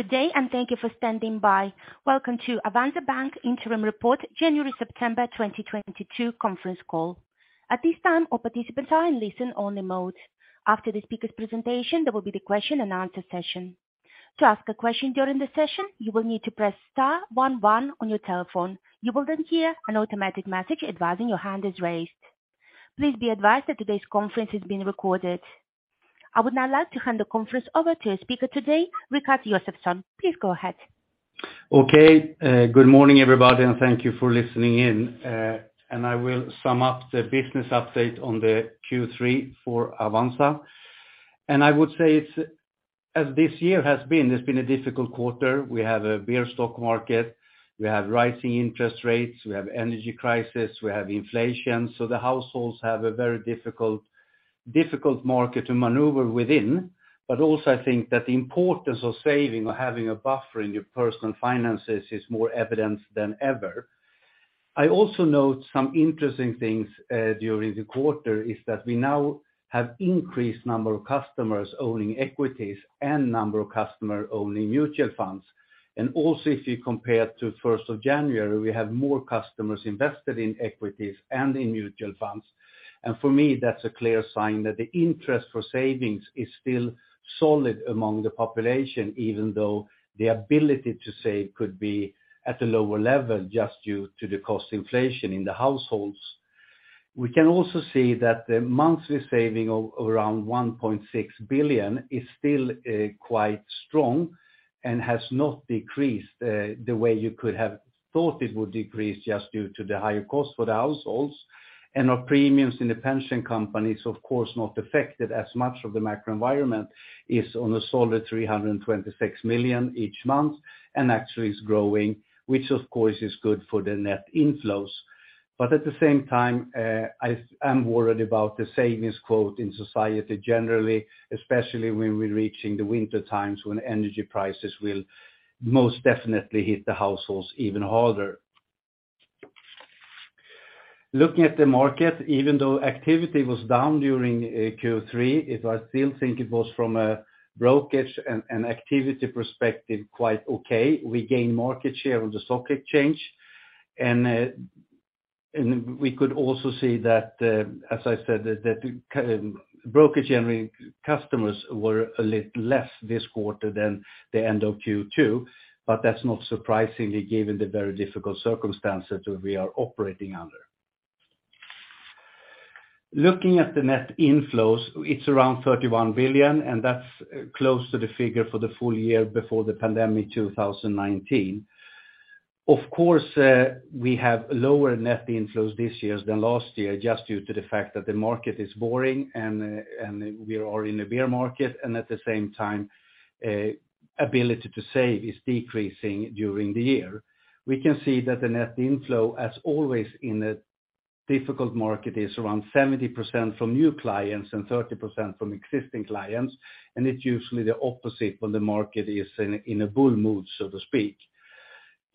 Good day, and thank you for standing by. Welcome to Avanza Bank Interim Report January-September 2022 conference call. At this time, all participants are in listen only mode. After the speaker's presentation, there will be the question and answer session. To ask a question during the session, you will need to press *one one on your telephone. You will then hear an automatic message advising your hand is raised. Please be advised that today's conference is being recorded. I would now like to hand the conference over to our speaker today, Rikard Josefson. Please go ahead. Okay. Good morning everybody, and thank you for listening in. I will sum up the business update on the Q3 for Avanza. I would say it's. As this year has been, it's been a difficult quarter. We have a bear stock market. We have rising interest rates. We have energy crisis. We have inflation. The households have a very difficult market to maneuver within. Also I think that the importance of saving or having a buffer in your personal finances is more evident than ever. I also note some interesting things during the quarter is that we now have increased number of customers owning equities and number of customers owning mutual funds. Also, if you compare to first of January, we have more customers invested in equities and in mutual funds. For me that's a clear sign that the interest for savings is still solid among the population even though the ability to save could be at a lower level just due to the cost inflation in the households. We can also see that the monthly saving of around 1.6 billion is still quite strong and has not decreased the way you could have thought it would decrease just due to the higher cost for the households. Our premiums in the pension company is of course not affected as much by the macro environment is on a solid 326 million each month and actually is growing, which of course is good for the net inflows. At the same time, I am worried about the savings rate in society generally, especially when we're reaching the winter times when energy prices will most definitely hit the households even harder. Looking at the market, even though activity was down during Q3, it was I still think it was from a brokerage and activity perspective quite okay. We gained market share on the stock exchange. We could also see that, as I said, that brokerage and retail customers were a little less this quarter than the end of Q2, but that's not surprising given the very difficult circumstances that we are operating under. Looking at the net inflows, it's around 31 billion, and that's close to the figure for the full year before the pandemic 2019. Of course, we have lower net inflows this year than last year just due to the fact that the market is boring and we are in a bear market and at the same time, ability to save is decreasing during the year. We can see that the net inflow as always in a difficult market is around 70% from new clients and 30% from existing clients, and it's usually the opposite when the market is in a bull mood, so to speak.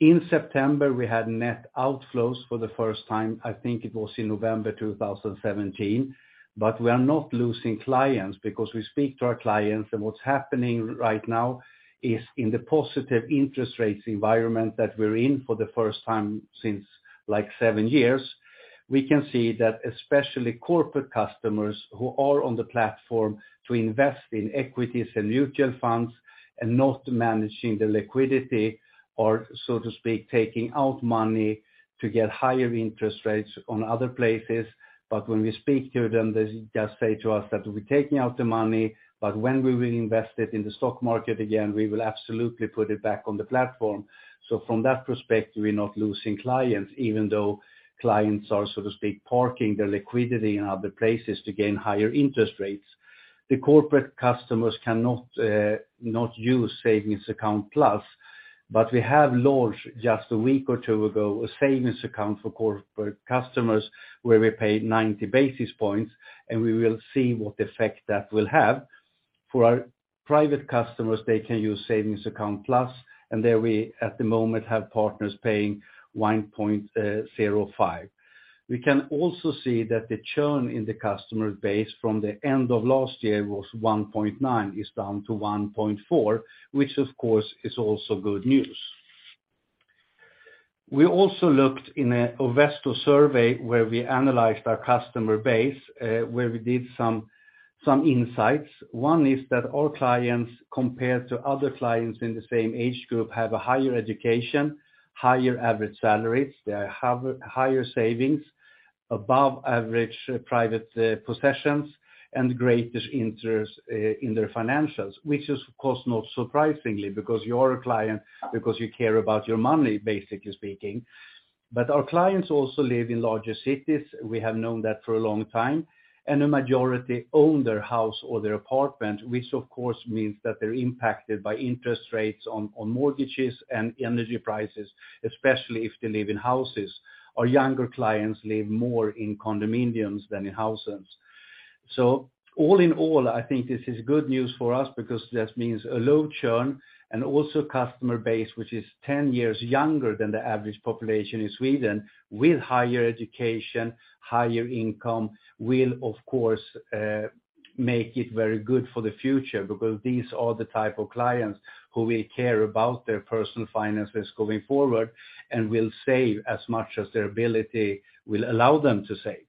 In September, we had net outflows for the first time, I think it was in November 2017, but we are not losing clients because we speak to our clients and what's happening right now is in the positive interest rates environment that we're in for the first time since like 7 years, we can see that especially corporate customers who are on the platform to invest in equities and mutual funds and not managing the liquidity or, so to speak, taking out money to get higher interest rates on other places. When we speak to them, they just say to us that we're taking out the money, but when we will invest it in the stock market again, we will absolutely put it back on the platform. From that perspective, we're not losing clients even though clients are, so to speak, parking their liquidity in other places to gain higher interest rates. The corporate customers cannot not use Savings Account Plus, but we have launched just a week or two ago a savings account for corporate customers where we pay 90 basis points, and we will see what effect that will have. For our private customers, they can use Savings Account Plus, and there we at the moment have partners paying 1.05%. We can also see that the churn in the customer base from the end of last year was 1.9%, is down to 1.4%, which of course is also good news. We also looked in an Ovesto survey where we analyzed our customer base, where we did some insights. One is that our clients, compared to other clients in the same age group, have a higher education, higher average salaries. They have higher savings, above average private possessions, and greater interest in their financials, which is of course not surprisingly because you're a client because you care about your money, basically speaking. Our clients also live in larger cities. We have known that for a long time. A majority own their house or their apartment, which of course means that they're impacted by interest rates on mortgages and energy prices, especially if they live in houses. Our younger clients live more in condominiums than in houses. All in all, I think this is good news for us because this means a low churn and also customer base, which is 10 years younger than the average population in Sweden with higher education, higher income will of course, Make it very good for the future because these are the type of clients who will care about their personal finances going forward and will save as much as their ability will allow them to save.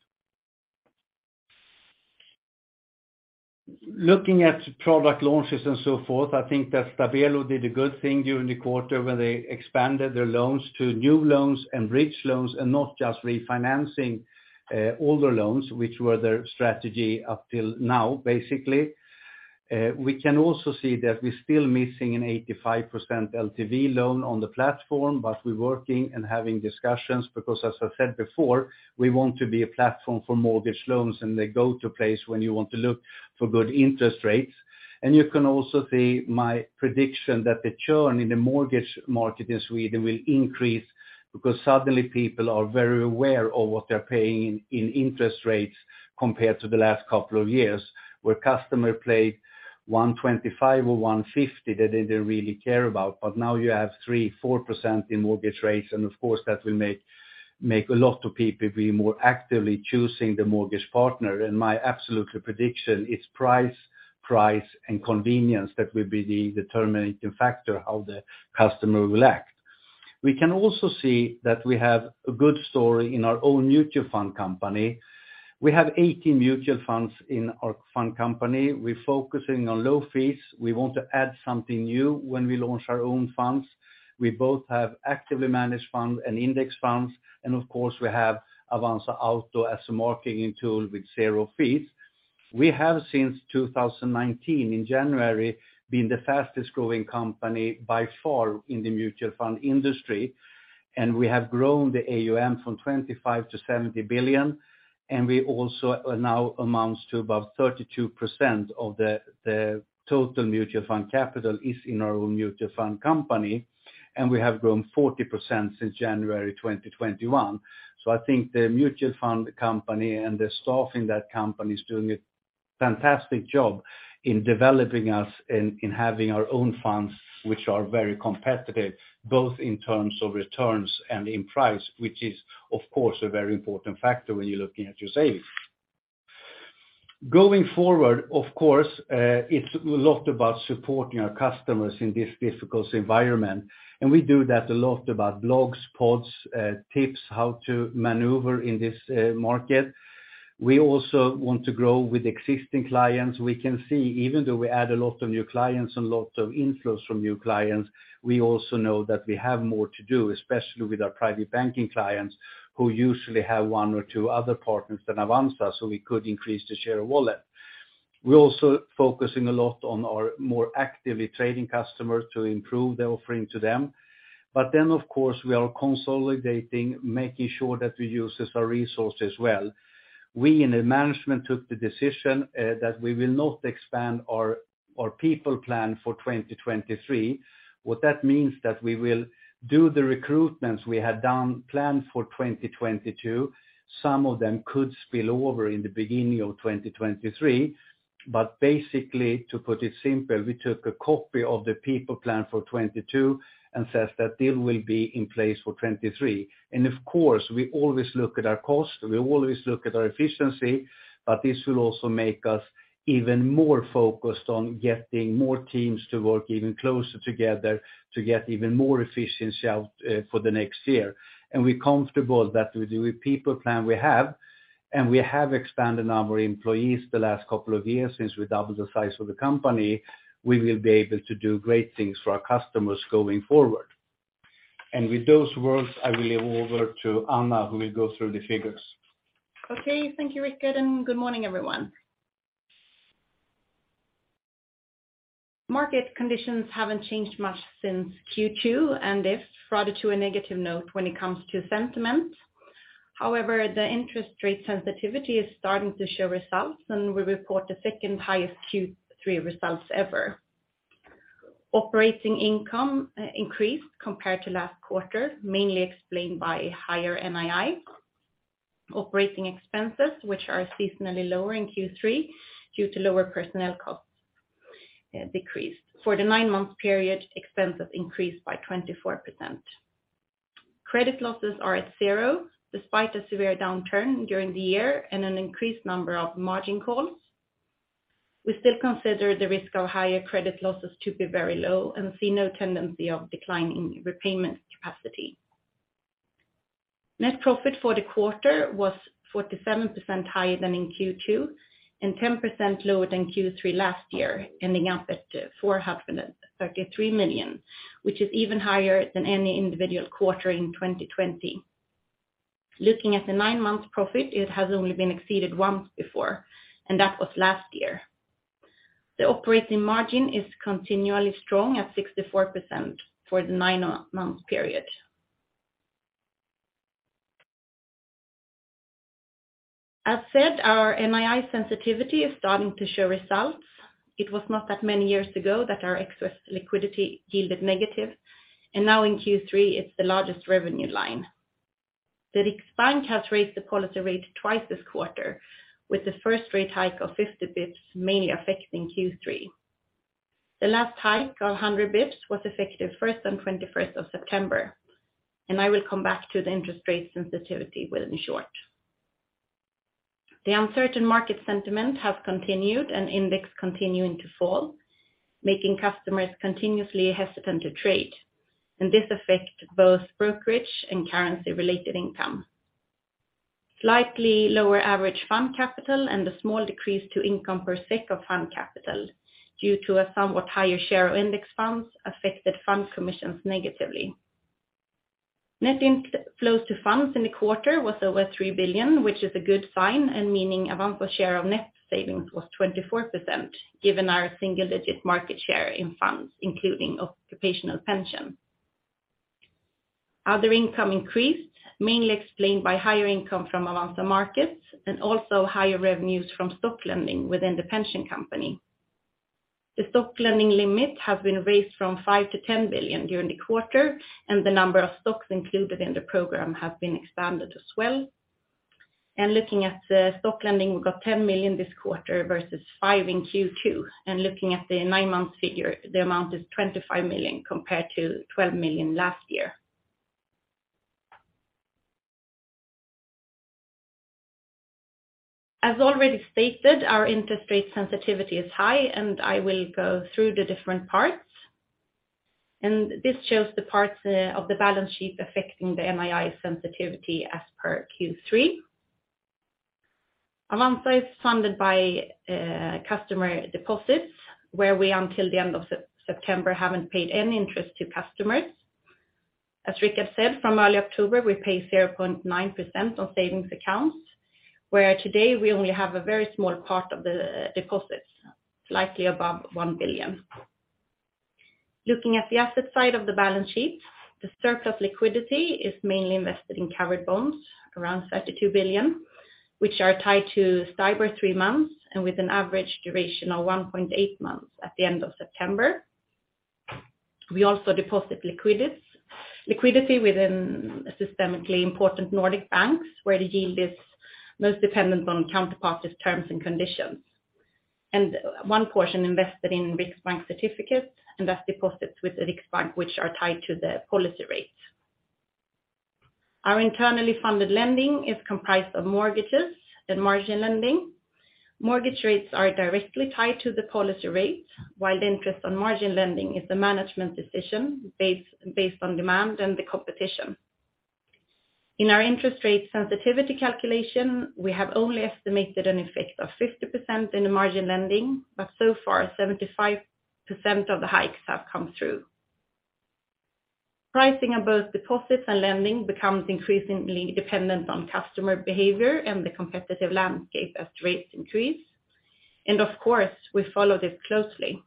Looking at product launches and so forth, I think that Stabelo did a good thing during the quarter when they expanded their loans to new loans and bridge loans and not just refinancing, older loans, which were their strategy up till now, basically. We can also see that we're still missing an 85% LTV loan on the platform, but we're working and having discussions because, as I said before, we want to be a platform for mortgage loans, and the go-to place when you want to look for good interest rates. You can also see my prediction that the churn in the mortgage market in Sweden will increase because suddenly people are very aware of what they're paying in interest rates compared to the last couple of years, where customers paid 1.25% or 1.50%. They didn't really care about. Now you have 3%-4% in mortgage rates, and of course, that will make a lot of people be more actively choosing the mortgage partner. My absolute prediction, it's price and convenience that will be the determining factor how the customer will act. We can also see that we have a good story in our own mutual fund company. We have 80 mutual funds in our fund company. We're focusing on low fees. We want to add something new when we launch our own funds. We both have actively managed funds and index funds, and of course, we have Avanza Auto as a marketing tool with zero fees. We have, since January 2019, been the fastest-growing company by far in the mutual fund industry, and we have grown the AUM from 25 billion-70 billion, and we also now amounts to about 32% of the total mutual fund capital is in our own mutual fund company, and we have grown 40% since January 2021. I think the mutual fund company and the staff in that company is doing a fantastic job in developing us in having our own funds, which are very competitive, both in terms of returns and in price, which is, of course, a very important factor when you're looking at your savings. Going forward, of course, it's a lot about supporting our customers in this difficult environment, and we do that a lot about blogs, pods, tips how to maneuver in this market. We also want to grow with existing clients. We can see even though we add a lot of new clients and lots of inflows from new clients, we also know that we have more to do, especially with our private banking clients who usually have one or two other partners than Avanza, so we could increase the share of wallet. We're also focusing a lot on our more actively trading customers to improve the offering to them. Of course, we are consolidating, making sure that we use our resources well. We in the management took the decision that we will not expand our people plan for 2023. What that means that we will do the recruitments we had planned for 2022. Some of them could spill over in the beginning of 2023. Basically, to put it simple, we took a copy of the people plan for 2022 and said that it will be in place for 2023. Of course, we always look at our cost, we always look at our efficiency, but this will also make us even more focused on getting more teams to work even closer together to get even more efficiency out for the next year. We're comfortable that with the people plan we have, and we have expanded our employees the last couple of years since we doubled the size of the company, we will be able to do great things for our customers going forward. With those words, I will hand over to Anna, who will go through the figures. Okay. Thank you, Rikard, and good morning, everyone. Market conditions haven't changed much since Q2, and it's rather on a negative note when it comes to sentiment. However, the interest rate sensitivity is starting to show results, and we report the second highest Q3 results ever. Operating income increased compared to last quarter, mainly explained by higher NII. Operating expenses, which are seasonally lower in Q3 due to lower personnel costs, decreased. For the nine-month period, expenses increased by 24%. Credit losses are at zero despite a severe downturn during the year and an increased number of margin calls. We still consider the risk of higher credit losses to be very low and see no tendency of decline in repayment capacity. Net profit for the quarter was 47% higher than in Q2 and 10% lower than Q3 last year, ending up at 433 million, which is even higher than any individual quarter in 2020. Looking at the nine-month profit, it has only been exceeded once before, and that was last year. The operating margin is continually strong at 64% for the nine-month period. As said, our NII sensitivity is starting to show results. It was not that many years ago that our excess liquidity yielded negative, and now in Q3, it's the largest revenue line. The Riksbank has raised the policy rate twice this quarter, with the first rate hike of 50 basis points mainly affecting Q3. The last hike of 100 basis points was effective first on 21st September, and I will come back to the interest rate sensitivity shortly. The uncertain market sentiment has continued and index continuing to fall, making customers continuously hesitant to trade, and this affect both brokerage and currency-related income. Slightly lower average fund capital and a small decrease to income per SEK of fund capital due to a somewhat higher share of index funds affected fund commissions negatively. Net inflows to funds in the quarter was over 3 billion, which is a good sign and meaning Avanza share of net savings was 24% given our single-digit market share in funds including occupational pension. Other income increased, mainly explained by higher income from Avanza Markets and also higher revenues from stock lending within the pension company. The stock lending limit has been raised from 5 billion-10 billion during the quarter, and the number of stocks included in the program has been expanded as well. Looking at the stock lending, we've got 10 million this quarter versus 5 million in Q2. Looking at the nine-month figure, the amount is 25 million compared to 12 million last year. As already stated, our interest rate sensitivity is high, and I will go through the different parts. This shows the parts of the balance sheet affecting the NII sensitivity as per Q3. Avanza is funded by customer deposits, where we, until the end of September, haven't paid any interest to customers. As Rikard said, from early October, we pay 0.9% on savings accounts, where today we only have a very small part of the deposits, slightly above 1 billion. Looking at the asset side of the balance sheet, the surplus liquidity is mainly invested in covered bonds, around 32 billion, which are tied to STIBOR three months and with an average duration of 1.8 months at the end of September. We also deposit liquidity within systemically important Nordic banks, where the yield is most dependent on counterparties terms and conditions. One portion invested in Riksbank certificates, and that's deposits with Riksbank which are tied to the policy rates. Our internally funded lending is comprised of mortgages and margin lending. Mortgage rates are directly tied to the policy rates, while the interest on margin lending is a management decision based on demand and the competition. In our interest rate sensitivity calculation, we have only estimated an effect of 50% in the margin lending, but so far, 75% of the hikes have come through. Pricing on both deposits and lending becomes increasingly dependent on customer behavior and the competitive landscape as rates increase. Of course, we follow this closely.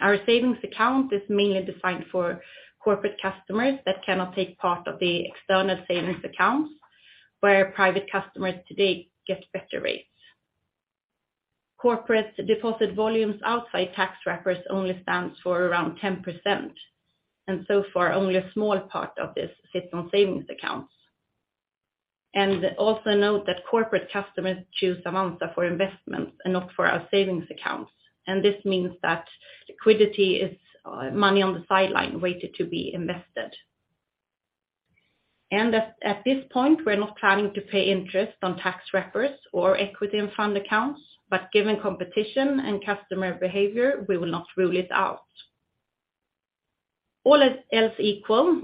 Our savings account is mainly designed for corporate customers that cannot take part of the external savings accounts, where private customers today get better rates. Corporate deposit volumes outside tax wrappers only stands for around 10%, and so far, only a small part of this sits on savings accounts. Also note that corporate customers choose Avanza for investments and not for our savings accounts. This means that liquidity is money on the sideline waiting to be invested. At this point, we're not planning to pay interest on tax wrappers or equity and fund accounts, but given competition and customer behavior, we will not rule it out. All else equal,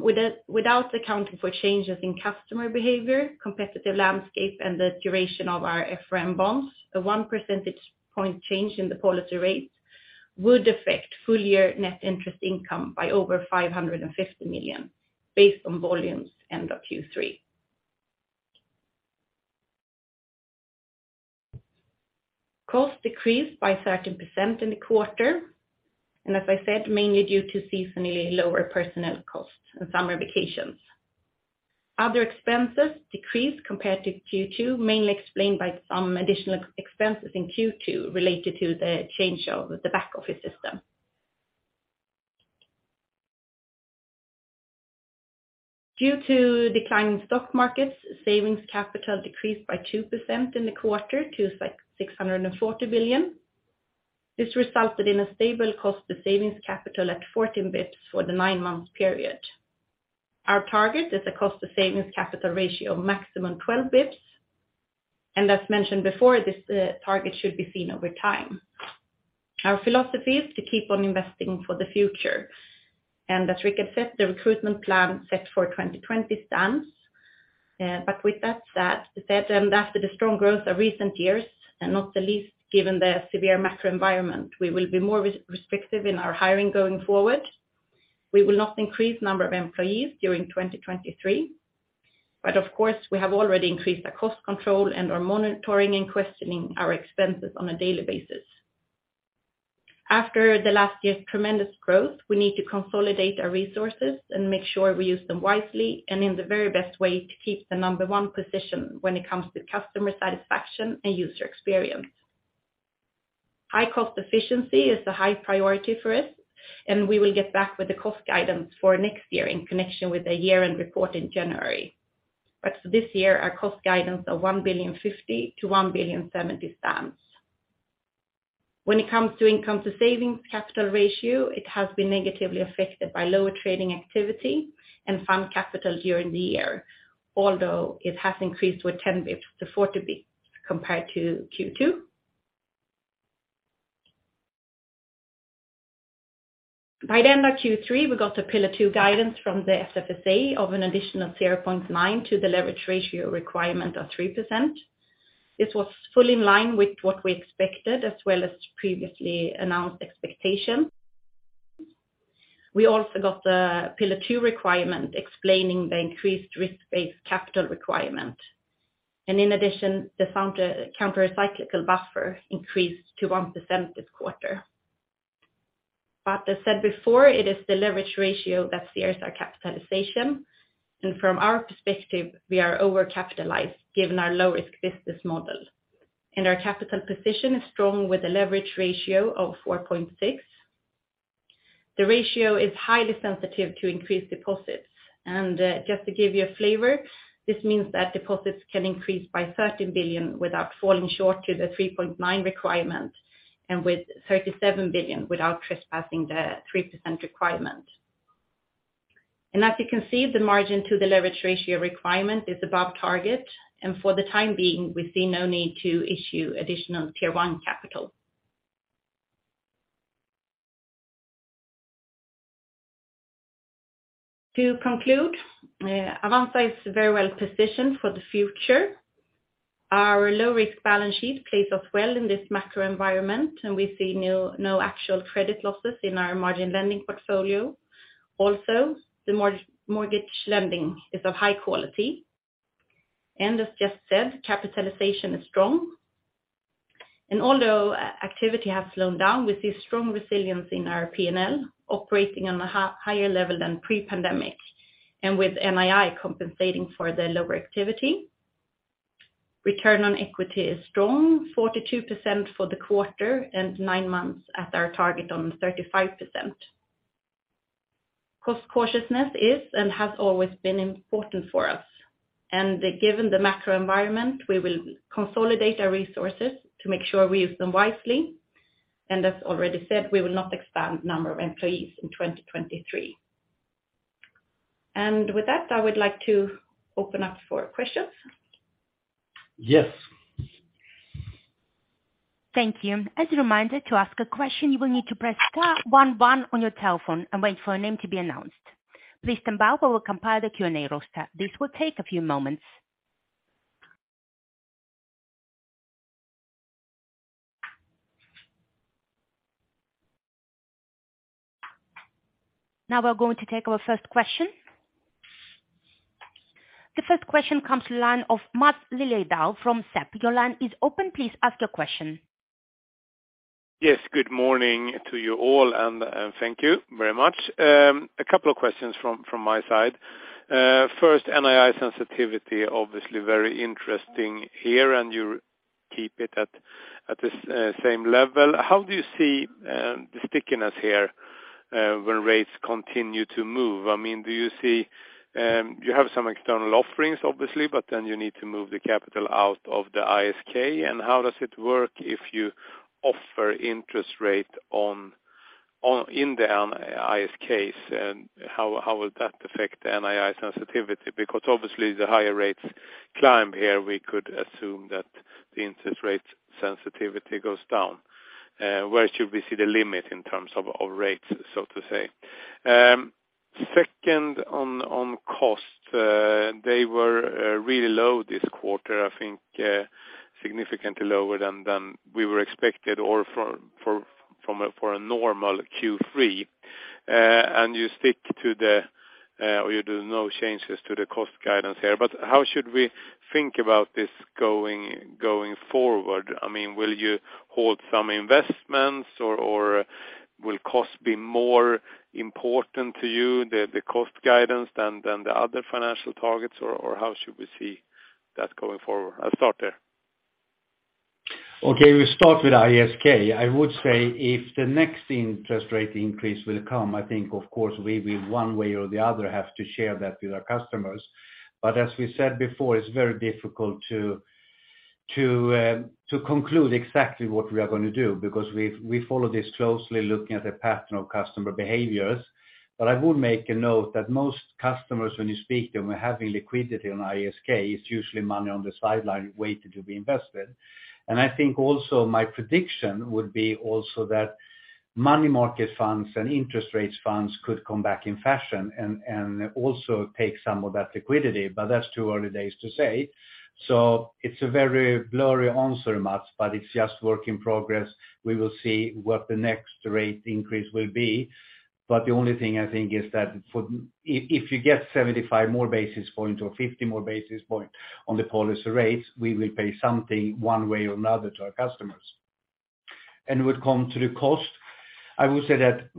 without accounting for changes in customer behavior, competitive landscape, and the duration of our FRN bonds, a 1 percentage point change in the policy rate would affect full-year net interest income by over 550 million based on volumes end of Q3. Cost decreased by 13% in the quarter, and as I said, mainly due to seasonally lower personnel costs and summer vacations. Other expenses decreased compared to Q2, mainly explained by some additional expenses in Q2 related to the change of the back office system. Due to declining stock markets, savings capital decreased by 2% in the quarter to 640 billion. This resulted in a stable cost to savings capital at 14 bps for the nine-month period. Our target is a cost to savings capital ratio of maximum 12 bps. As mentioned before, this target should be seen over time. Our philosophy is to keep on investing for the future. As Rikard said, the recruitment plan set for 2020 stands. But with that said, after the strong growth of recent years, and not the least given the severe macro environment, we will be more restrictive in our hiring going forward. We will not increase number of employees during 2023. Of course, we have already increased our cost control and are monitoring and questioning our expenses on a daily basis. After the last year's tremendous growth, we need to consolidate our resources and make sure we use them wisely and in the very best way to keep the number one position when it comes to customer satisfaction and user experience. High cost efficiency is a high priority for us, and we will get back with the cost guidance for next year in connection with the year-end report in January. For this year, our cost guidance of 1.05 billion-1.07 billion stands. When it comes to income to savings capital ratio, it has been negatively affected by lower trading activity and fund capital during the year. Although it has increased with 10 bps to 40 bps compared to Q2. By the end of Q3, we got a Pillar 2 guidance from the SFSA of an additional 0.9 to the leverage ratio requirement of 3%. This was fully in line with what we expected, as well as previously announced expectations. We also got the Pillar 2 requirement explaining the increased risk-based capital requirement. In addition, the countercyclical buffer increased to 1% this quarter. As said before, it is the leverage ratio that steers our capitalization. From our perspective, we are overcapitalized given our low-risk business model. Our capital position is strong with a leverage ratio of 4.6%. The ratio is highly sensitive to increased deposits. Just to give you a flavor, this means that deposits can increase by 13 billion without falling short of the 3.9% requirement and with 37 billion without breaching the 3% requirement. As you can see, the margin to the leverage ratio requirement is above target. For the time being, we see no need to issue additional Tier-One Capital. To conclude, Avanza is very well-positioned for the future. Our low-risk balance sheet plays us well in this macro environment, and we see no actual credit losses in our margin lending portfolio. Also, the mortgage lending is of high quality. As just said, capitalization is strong. Although activity has slowed down, we see strong resilience in our P&L operating on a higher level than pre-pandemic and with NII compensating for the lower activity. Return on equity is strong, 42% for the quarter and nine months at our target on 35%. Cost cautiousness is and has always been important for us. Given the macro environment, we will consolidate our resources to make sure we use them wisely. As already said, we will not expand number of employees in 2023. With that, I would like to open up for questions. Yes. Thank you. As a reminder, to ask a question, you will need to press *one one on your telephone and wait for a name to be announced. Please stand by while we compile the Q&A roster. This will take a few moments. Now we're going to take our first question. The first question comes to line of Mats Lilljedahl from SEB. Your line is open. Please ask your question. Yes, good morning to you all and thank you very much. A couple of questions from my side. First, NII sensitivity, obviously very interesting here, and you keep it at this same level. How do you see the stickiness here when rates continue to move? I mean, do you see you have some external offerings, obviously, but then you need to move the capital out of the ISK, and how does it work if you offer interest rate in the ISK, and how will that affect the NII sensitivity? Because obviously, the higher rates climb here, we could assume that the interest rate sensitivity goes down. Where should we see the limit in terms of rates, so to say? Second, on cost, they were really low this quarter, I think, significantly lower than we expected or for a normal Q3. You stick to the cost guidance or you do no changes to the cost guidance here. How should we think about this going forward? I mean, will you hold some investments or will cost be more important to you, the cost guidance, than the other financial targets, or how should we see that going forward? I'll start there. Okay, we start with ISK. I would say if the next interest rate increase will come, I think of course we one way or the other have to share that with our customers. As we said before, it's very difficult to conclude exactly what we are gonna do because we follow this closely looking at the pattern of customer behaviors. I would make a note that most customers when you speak to them are having liquidity on ISK. It's usually money on the sideline waiting to be invested. I think also my prediction would be also that money market funds and interest rates funds could come back in fashion and also take some of that liquidity, but that's too early days to say. It's a very blurry answer, Mats, but it's just work in progress. We will see what the next rate increase will be. The only thing I think is that if you get 75 more basis points or 50 more basis points on the policy rates, we will pay something one way or another to our customers. When it comes to the cost, I would say that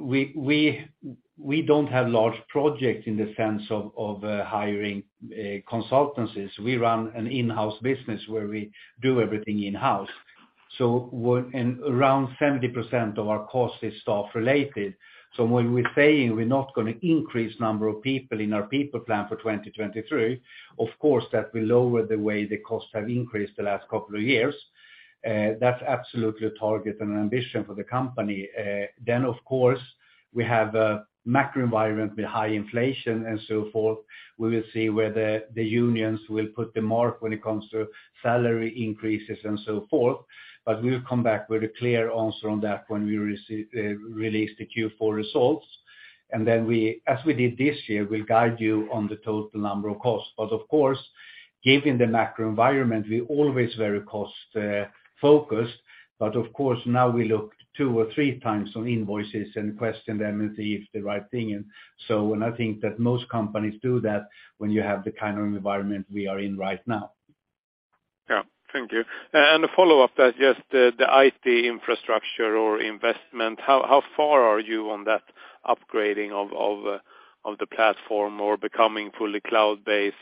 we don't have large projects in the sense of hiring consultancies. We run an in-house business where we do everything in-house. And around 70% of our cost is staff-related. When we're saying we're not gonna increase number of people in our people plan for 2023, of course, that will lower the way the costs have increased the last couple of years. That's absolutely a target and an ambition for the company. Of course, we have a macro environment with high inflation and so forth. We will see whether the unions will put the mark when it comes to salary increases and so forth. We'll come back with a clear answer on that when we release the Q4 results. We, as we did this year, we'll guide you on the total number of costs. Of course, given the macro environment, we always very cost focused. Of course, now we look two or three times on invoices and question them and see if the right thing. When I think that most companies do that when you have the kind of environment we are in right now. Yeah, thank you. A follow-up that's just the IT infrastructure or investment, how far are you on that upgrading of the platform or becoming fully cloud-based,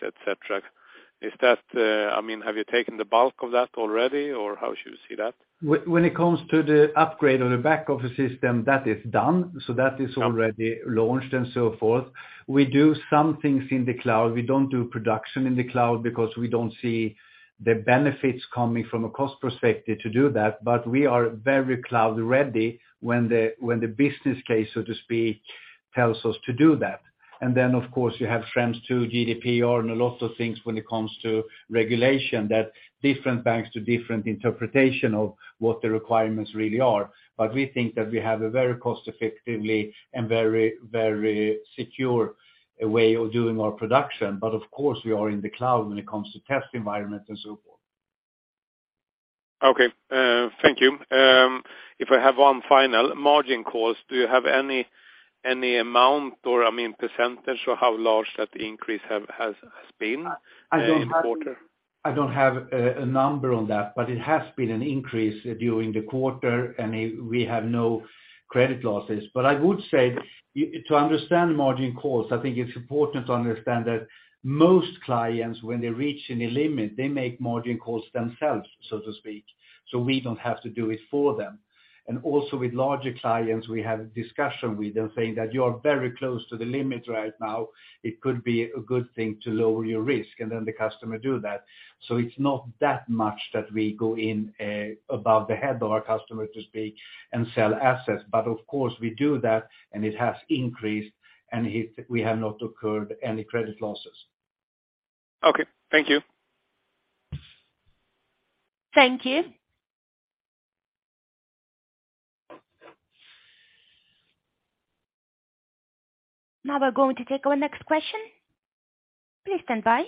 et cetera? I mean, have you taken the bulk of that already? How should we see that? When it comes to the upgrade on the backend of the system, that is done. Okay. already launched and so forth. We do some things in the cloud. We don't do production in the cloud because we don't see the benefits coming from a cost perspective to do that. We are very cloud ready when the business case, so to speak, tells us to do that. Then of course, you have for instance, GDPR, and a lot of things when it comes to regulation that different banks do different interpretation of what the requirements really are. We think that we have a very cost-effectively and very, very secure way of doing our production. Of course we are in the cloud when it comes to test environment and so forth. Okay, thank you. If I have one final margin calls, do you have any amount or, I mean, percentage of how large that increase has been in the quarter? I don't have a number on that, but it has been an increase during the quarter, and we have no credit losses. I would say to understand margin calls, I think it's important to understand that most clients, when they reach any limit, they make margin calls themselves, so to speak, so we don't have to do it for them. Also with larger clients, we have discussion with them saying that you are very close to the limit right now. It could be a good thing to lower your risk, and then the customer do that. It's not that much that we go in, over the head of our customer, so to speak, and sell assets. Of course we do that, and it has increased, and we have not incurred any credit losses. Okay. Thank you. Thank you. Now we're going to take our next question. Please stand by.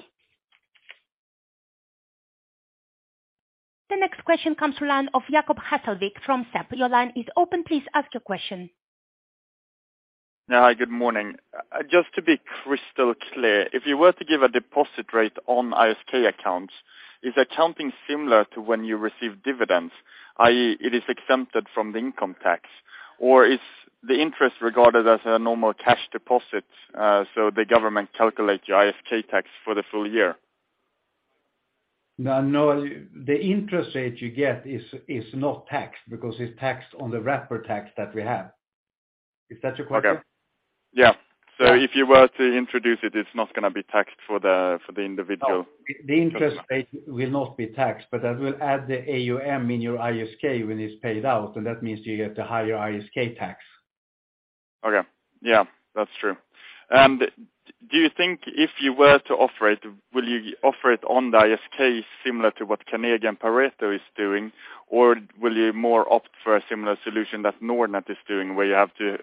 The next question comes to line of Jacob Hesselvik from SEB. Your line is open. Please ask your question. Yeah. Hi, good morning. Just to be crystal clear, if you were to give a deposit rate on ISK accounts, is accounting similar to when you receive dividends, i.e., it is exempted from the income tax? Or is the interest regarded as a normal cash deposit, so the government calculate your ISK tax for the full year? No, no. The interest rate you get is not taxed because it's taxed on the wrapper tax that we have. Is that your question? Okay. Yeah. Yeah. If you were to introduce it's not gonna be taxed for the individual. No. -customer. The interest rate will not be taxed, but that will add the AUM in your ISK when it's paid out, and that means you get the higher ISK tax. Okay. Yeah, that's true. Do you think if you were to offer it, will you offer it on the ISK similar to what Canadian Pareto is doing? Or will you more opt for a similar solution that Nordnet is doing, where you have to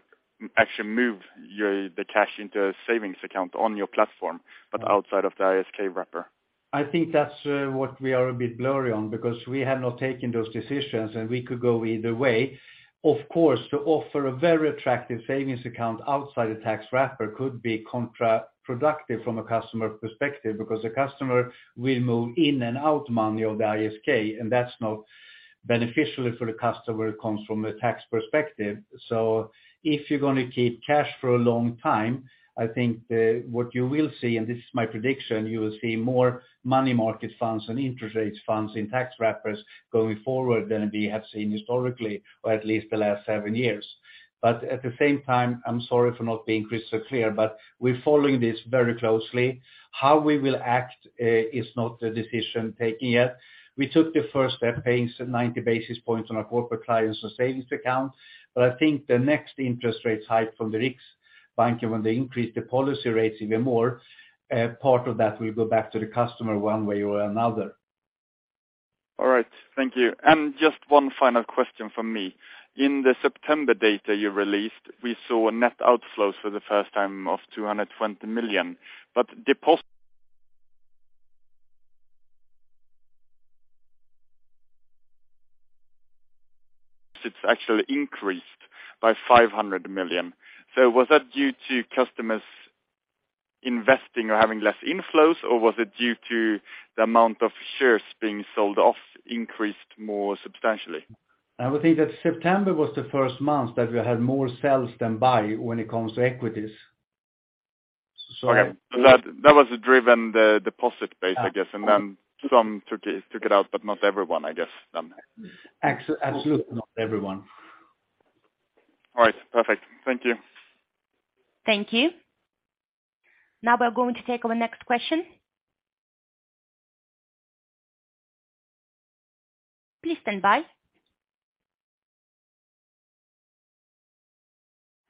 actually move the cash into a savings account on your platform, but outside of the ISK wrapper? I think that's what we are a bit blurry on because we have not taken those decisions, and we could go either way. Of course, to offer a very attractive savings account outside the tax wrapper could be counterproductive from a customer perspective because the customer will move in and out money on the ISK, and that's not beneficial for the customer, it comes from a tax perspective. If you're gonna keep cash for a long time, I think what you will see, and this is my prediction, you will see more money market funds and interest rates funds in tax wrappers going forward than we have seen historically or at least the last seven years. At the same time, I'm sorry for not being crystal clear, but we're following this very closely. How we will act is not a decision taken yet. We took the first step, paying some 90 basis points on our corporate clients' savings account. I think the next interest rate hike from the Riksbank when they increase the policy rate even more, part of that will go back to the customer one way or another. All right, thank you. Just one final question from me. In the September data you released, we saw net outflows for the first time of 220 million. Deposits actually increased by 500 million. Was that due to customers investing or having less inflows, or was it due to the amount of shares being sold off increased more substantially? I would think that September was the first month that we had more sells than buys when it comes to equities. Okay. That was driven by the deposit base, I guess, and then some took it out, but not everyone, I guess, then. Absolutely not everyone. All right. Perfect. Thank you. Thank you. Now we're going to take our next question. Please stand by.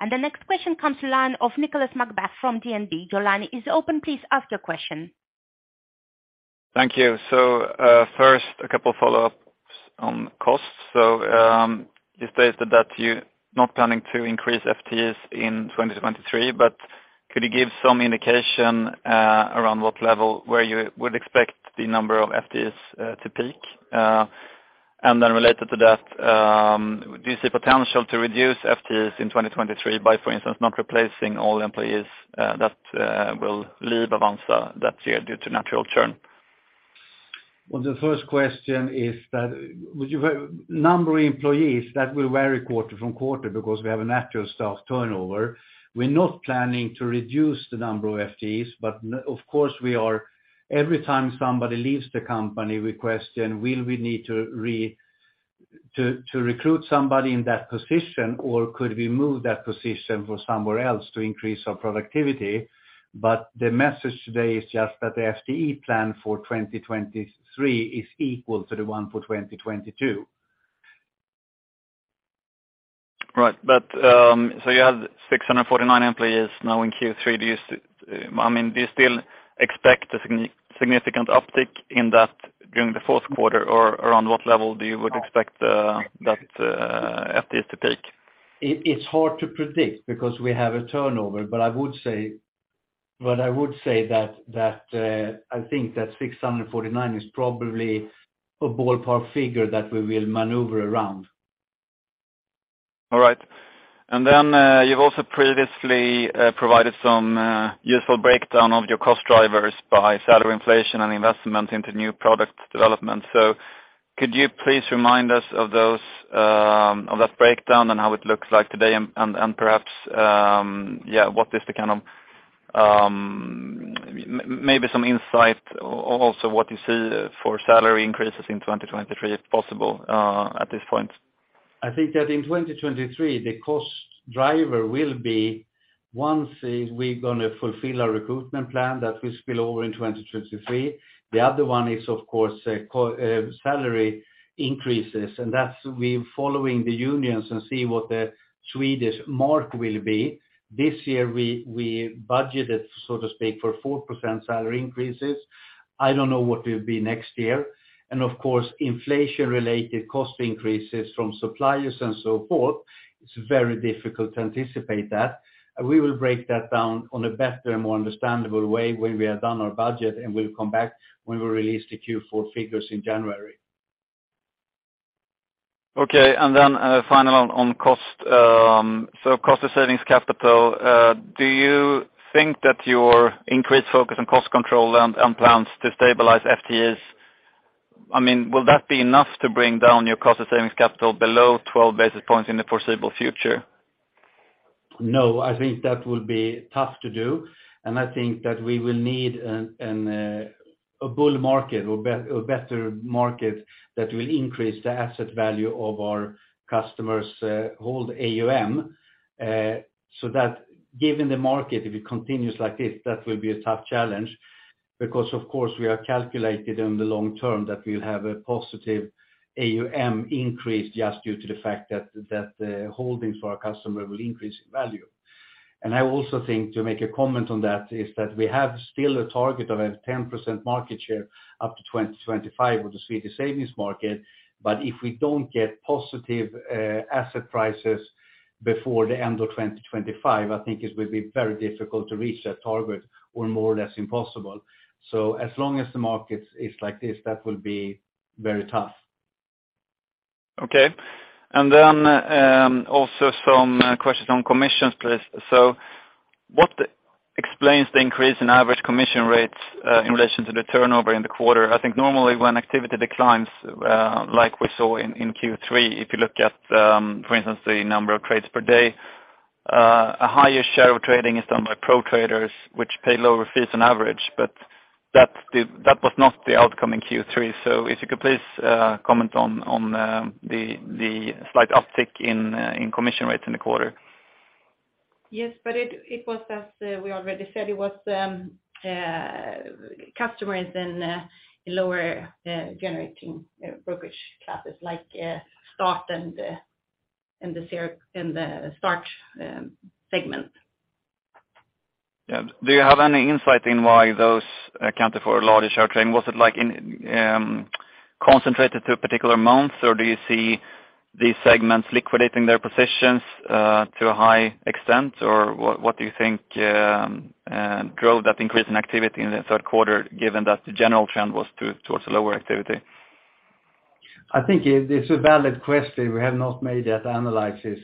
The next question comes from the line of Nicolas McBeath from DNB. Your line is open. Please ask your question. Thank you. First, a couple of follow-ups on costs. You stated that you're not planning to increase FTE in 2023, but could you give some indication around what level where you would expect the number of FTE to peak? And then related to that, do you see potential to reduce FTE in 2023 by, for instance, not replacing all the employees that will leave Avanza that year due to natural churn? Well, the first question is that number of employees that will vary quarter to quarter because we have a natural staff turnover. We're not planning to reduce the number of FTEs, but of course we are. Every time somebody leaves the company, we question, will we need to recruit somebody in that position, or could we move that position to somewhere else to increase our productivity? The message today is just that the FTE plan for 2023 is equal to the one for 2022. Right. You have 649 employees now in Q3. Do you, I mean, do you still expect a significant uptick in that during the Q4, or around what level do you would expect that FTEs to peak? It's hard to predict because we have a turnover. I would say that I think that 649 is probably a ballpark figure that we will maneuver around. All right. You've also previously provided some useful breakdown of your cost drivers by salary inflation and investment into new product development. Could you please remind us of those of that breakdown and how it looks like today and perhaps yeah what is the kind of maybe some insight also what you see for salary increases in 2023, if possible, at this point? I think that in 2023, the cost driver will be once we're gonna fulfill our recruitment plan that will spill over in 2023. The other one is, of course, salary increases, and that's, we're following the unions and see what the Swedish market will be. This year we budgeted, so to speak, for 4% salary increases. I don't know what will be next year. Of course, inflation-related cost increases from suppliers and so forth, it's very difficult to anticipate that. We will break that down in a better and more understandable way when we are done our budget, and we'll come back when we release the Q4 figures in January. Final on cost. Cost to savings capital, do you think that your increased focus on cost control and plans to stabilize FTEs, I mean, will that be enough to bring down your cost to savings capital below 12 basis points in the foreseeable future? No, I think that will be tough to do, and I think that we will need a bull market or better market that will increase the asset value of our customers' held AUM. Given the market, if it continues like this, that will be a tough challenge because of course, we have calculated in the long term that we'll have a positive AUM increase just due to the fact that the holdings for our customers will increase in value. I also think to make a comment on that is that we have still a target of a 10% market share up to 2025 with the Swedish savings market. If we don't get positive asset prices before the end of 2025, I think it will be very difficult to reach that target or more or less impossible. As long as the market is like this, that will be very tough. Okay. Also some questions on commissions, please. What explains the increase in average commission rates in relation to the turnover in the quarter? I think normally when activity declines, like we saw in Q3, if you look at, for instance, the number of trades per day, a higher share of trading is done by pro traders which pay lower fees on average. That was not the outcome in Q3. If you could please comment on the slight uptick in commission rates in the quarter. Yes, it was as we already said, it was customers in lower generating brokerage classes like start and in the start segment. Yeah. Do you have any insight in why those accounted for a larger share of trading? Was it like in concentrated through particular amounts, or do you see these segments liquidating their positions to a high extent? Or what do you think drove that increase in activity in the Q3, given that the general trend was towards lower activity? I think it is a valid question. We have not made that analysis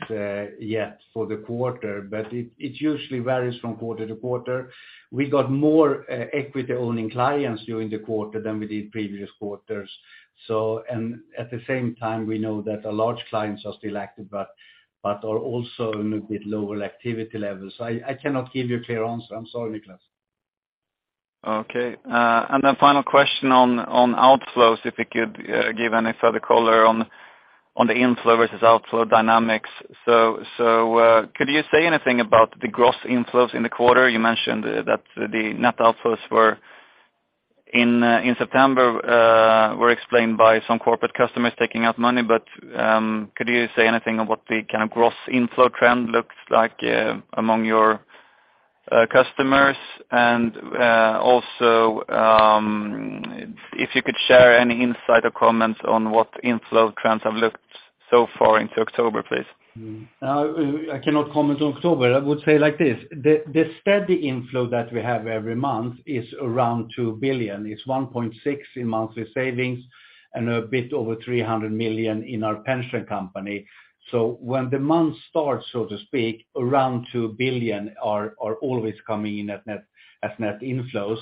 yet for the quarter, but it usually varies from quarter to quarter. We got more equity-owning clients during the quarter than we did previous quarters. At the same time, we know that our large clients are still active, but are also in a bit lower activity levels. I cannot give you a clear answer. I'm sorry, Nicolas. Okay. Final question on outflows, if you could give any further color on the inflow versus outflow dynamics. Could you say anything about the gross inflows in the quarter? You mentioned that the net outflows were in September were explained by some corporate customers taking out money. Could you say anything on what the kind of gross inflow trend looks like among your customers? Also, if you could share any insight or comments on what inflow trends have looked so far into October, please. I cannot comment on October. I would say like this, the steady inflow that we have every month is around 2 billion. It's 1.6 in monthly savings and a bit over 300 million in our pension company. When the month starts, so to speak, around 2 billion are always coming in at net, as net inflows.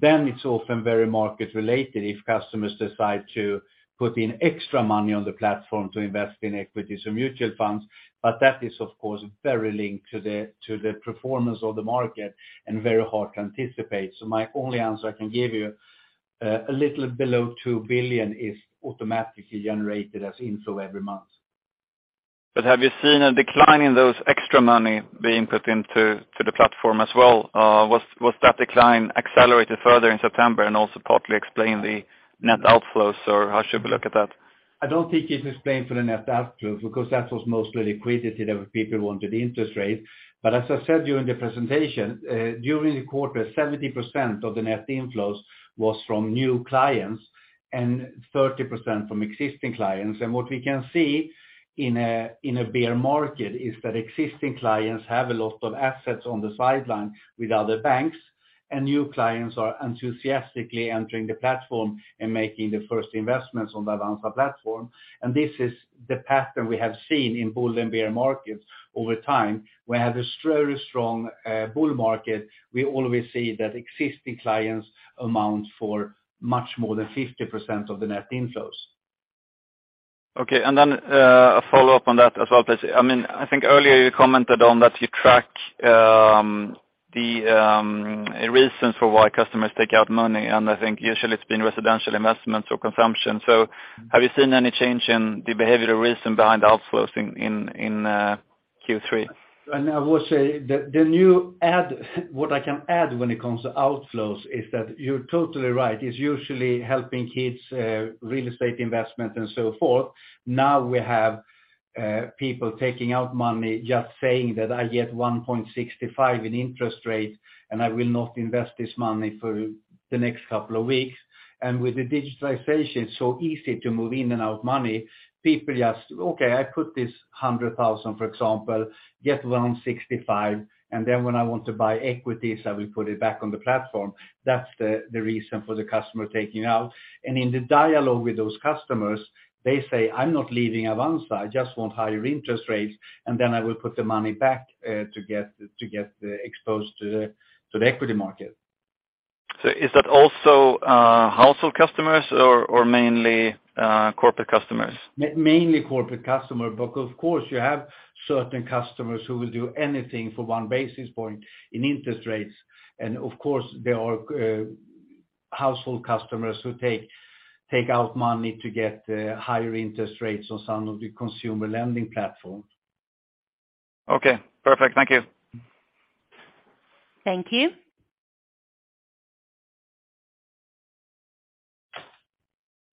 It's often very market related if customers decide to put in extra money on the platform to invest in equities or mutual funds. That is, of course, very linked to the performance of the market and very hard to anticipate. My only answer I can give you, a little below 2 billion is automatically generated as inflow every month. Have you seen a decline in those extra money being put to the platform as well? Was that decline accelerated further in September and also partly explain the net outflows, or how should we look at that? I don't think it's explained for the net outflows because that was mostly liquidity that people wanted interest rates. as I said during the presentation, during the quarter, 70% of the net inflows was from new clients and 30% from existing clients. What we can see in a bear market is that existing clients have a lot of assets on the sidelines with other banks, and new clients are enthusiastically entering the platform and making the first investments on the Avanza platform. This is the pattern we have seen in bull and bear markets over time. In a very strong bull market we always see that existing clients account for much more than 50% of the net inflows. A follow-up on that as well, please. I mean, I think earlier you commented on that you track the reasons for why customers take out money, and I think usually it's been residential investments or consumption. Have you seen any change in the behavioral reason behind outflows in Q3? I would say what I can add when it comes to outflows is that you're totally right. It's usually helping kids, real estate investment and so forth. Now we have people taking out money just saying that I get 1.65% interest rate, and I will not invest this money for the next couple of weeks. With the digitalization, it's so easy to move in and out money. People just, okay, I put this 100,000, for example, get 1.65%, and then when I want to buy equities, I will put it back on the platform. That's the reason for the customer taking out. In the dialogue with those customers, they say, "I'm not leaving Avanza. I just want higher interest rates, and then I will put the money back, to get exposed to the equity market. Is that also household customers or mainly corporate customers? Mainly corporate customer, but of course you have certain customers who will do anything for one basis point in interest rates. Of course, there are household customers who take out money to get higher interest rates on some of the consumer lending platforms. Okay, perfect. Thank you. Thank you.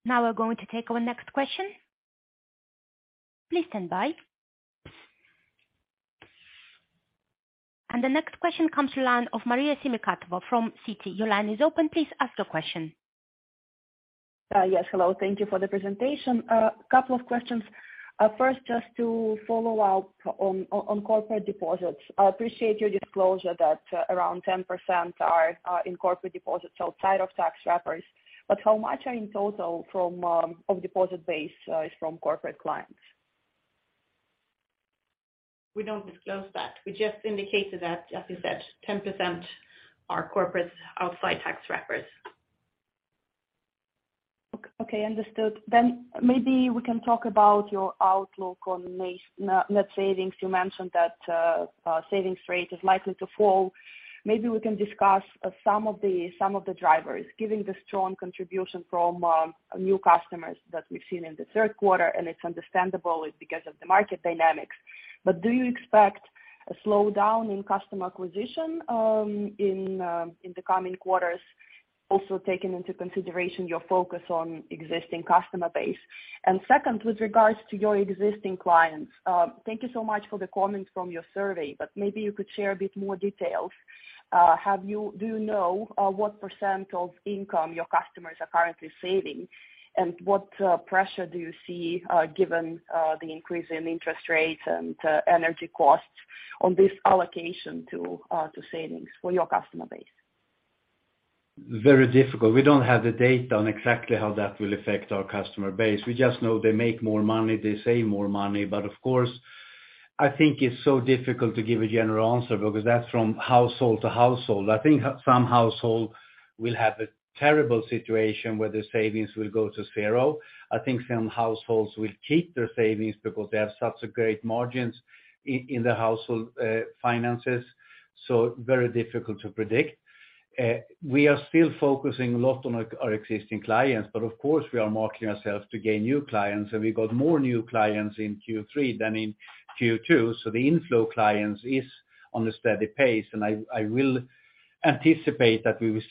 Now we're going to take our next question. Please stand by. The next question comes from the line of Maria Karamichailidou from Citi. Your line is open. Please ask your question. Yes, hello. Thank you for the presentation. A couple of questions. First, just to follow up on corporate deposits. I appreciate your disclosure that around 10% are in corporate deposits outside of tax wrappers, but how much are in total from of deposit base is from corporate clients? We don't disclose that. We just indicated that, as you said, 10% are corporate outside tax wrappers. Okay, understood. Maybe we can talk about your outlook on net savings. You mentioned that savings rate is likely to fall. Maybe we can discuss some of the drivers, giving the strong contribution from new customers that we've seen in the Q3, and it's understandable it's because of the market dynamics. Do you expect a slowdown in customer acquisition in the coming quarters, also taking into consideration your focus on existing customer base? Second, with regards to your existing clients, thank you so much for the comment from your survey, but maybe you could share a bit more details. Do you know what % of income your customers are currently saving? What pressure do you see given the increase in interest rates and energy costs on this allocation to savings for your customer base? Very difficult. We don't have the data on exactly how that will affect our customer base. We just know they make more money. They save more money. Of course, I think it's so difficult to give a general answer because that's from household to household. I think some household will have a terrible situation where their savings will go to zero. I think some households will keep their savings because they have such great margins in the household finances, so very difficult to predict. We are still focusing a lot on our existing clients, but of course, we are marketing ourselves to gain new clients, and we got more new clients in Q3 than in Q2. The inflow clients is on a steady pace. I will anticipate that we will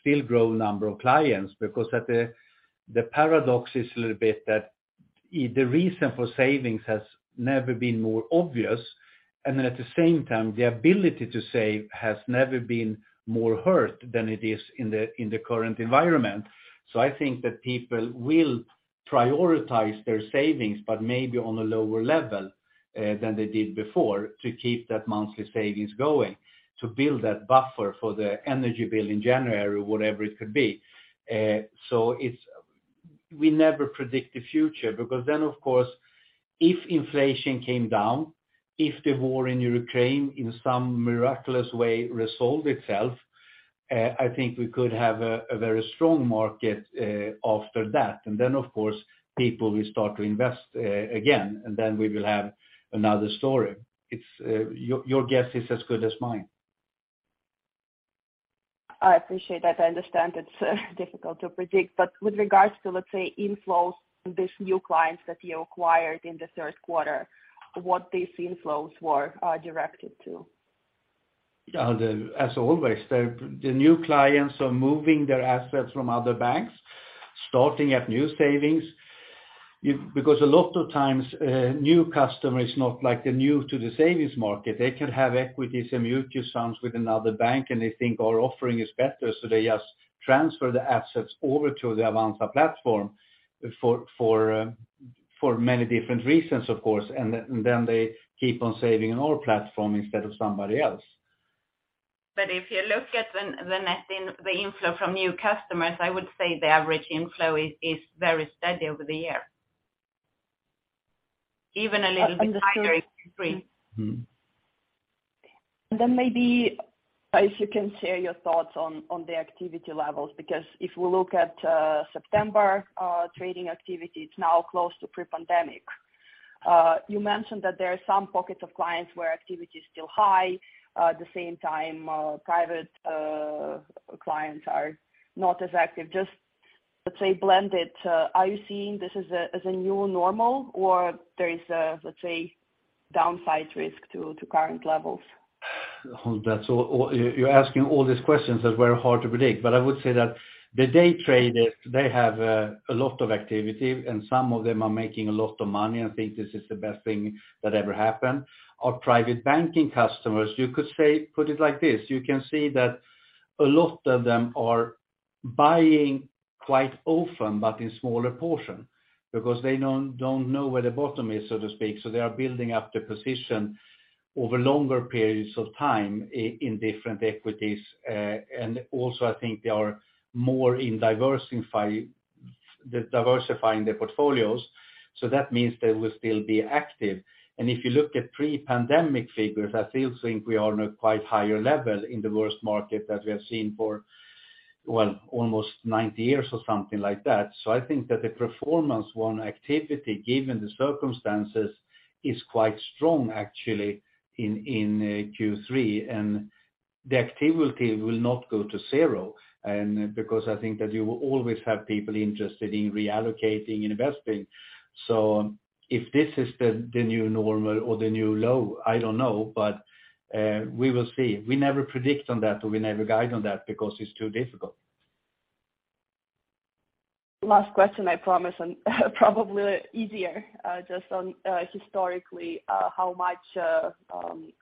still grow number of clients because the paradox is a little bit that the reason for savings has never been more obvious, and then at the same time, the ability to save has never been more hurt than it is in the current environment. I think that people will prioritize their savings, but maybe on a lower level than they did before to keep that monthly savings going, to build that buffer for the energy bill in January or whatever it could be. We never predict the future because then, of course, if inflation came down, if the war in Ukraine in some miraculous way resolved itself, I think we could have a very strong market after that. Of course, people will start to invest again, and then we will have another story. It's your guess is as good as mine. I appreciate that. I understand it's difficult to predict. With regards to, let's say, inflows, these new clients that you acquired in the Q3, what these inflows were directed to? Yeah, as always, the new clients are moving their assets from other banks, starting up new savings. Because a lot of times, new customers not like they're new to the savings market. They could have equities and mutual funds with another bank, and they think our offering is better, so they just transfer the assets over to the Avanza platform for many different reasons, of course. Then they keep on saving in our platform instead of somebody else. If you look at the net inflow from new customers, I would say the average inflow is very steady over the year. Even a little bit higher in Q3. Understood. Mm-hmm. Maybe if you can share your thoughts on the activity levels, because if we look at September trading activity, it's now close to pre-pandemic. You mentioned that there are some pockets of clients where activity is still high. At the same time, private clients are not as active. Just, let's say, blended, are you seeing this as a new normal or there is a, let's say, downside risk to current levels? You're asking all these questions that were hard to predict. I would say that the day traders, they have a lot of activity, and some of them are making a lot of money and think this is the best thing that ever happened. Our private banking customers, you could say, put it like this, you can see that a lot of them are buying quite often but in smaller portion because they don't know where the bottom is, so to speak. They are building up the position over longer periods of time in different equities. And also I think they are more in diversifying their portfolios. That means they will still be active. If you look at pre-pandemic figures, I still think we are on a quite higher level in the worst market that we have seen for, well, almost 90 years or something like that. I think that the performance on activity, given the circumstances, is quite strong actually in Q3, and the activity will not go to zero. Because I think that you will always have people interested in reallocating, investing. If this is the new normal or the new low, I don't know, but we will see. We never predict on that or we never guide on that because it's too difficult. Last question, I promise, and probably easier. Just on, historically, how much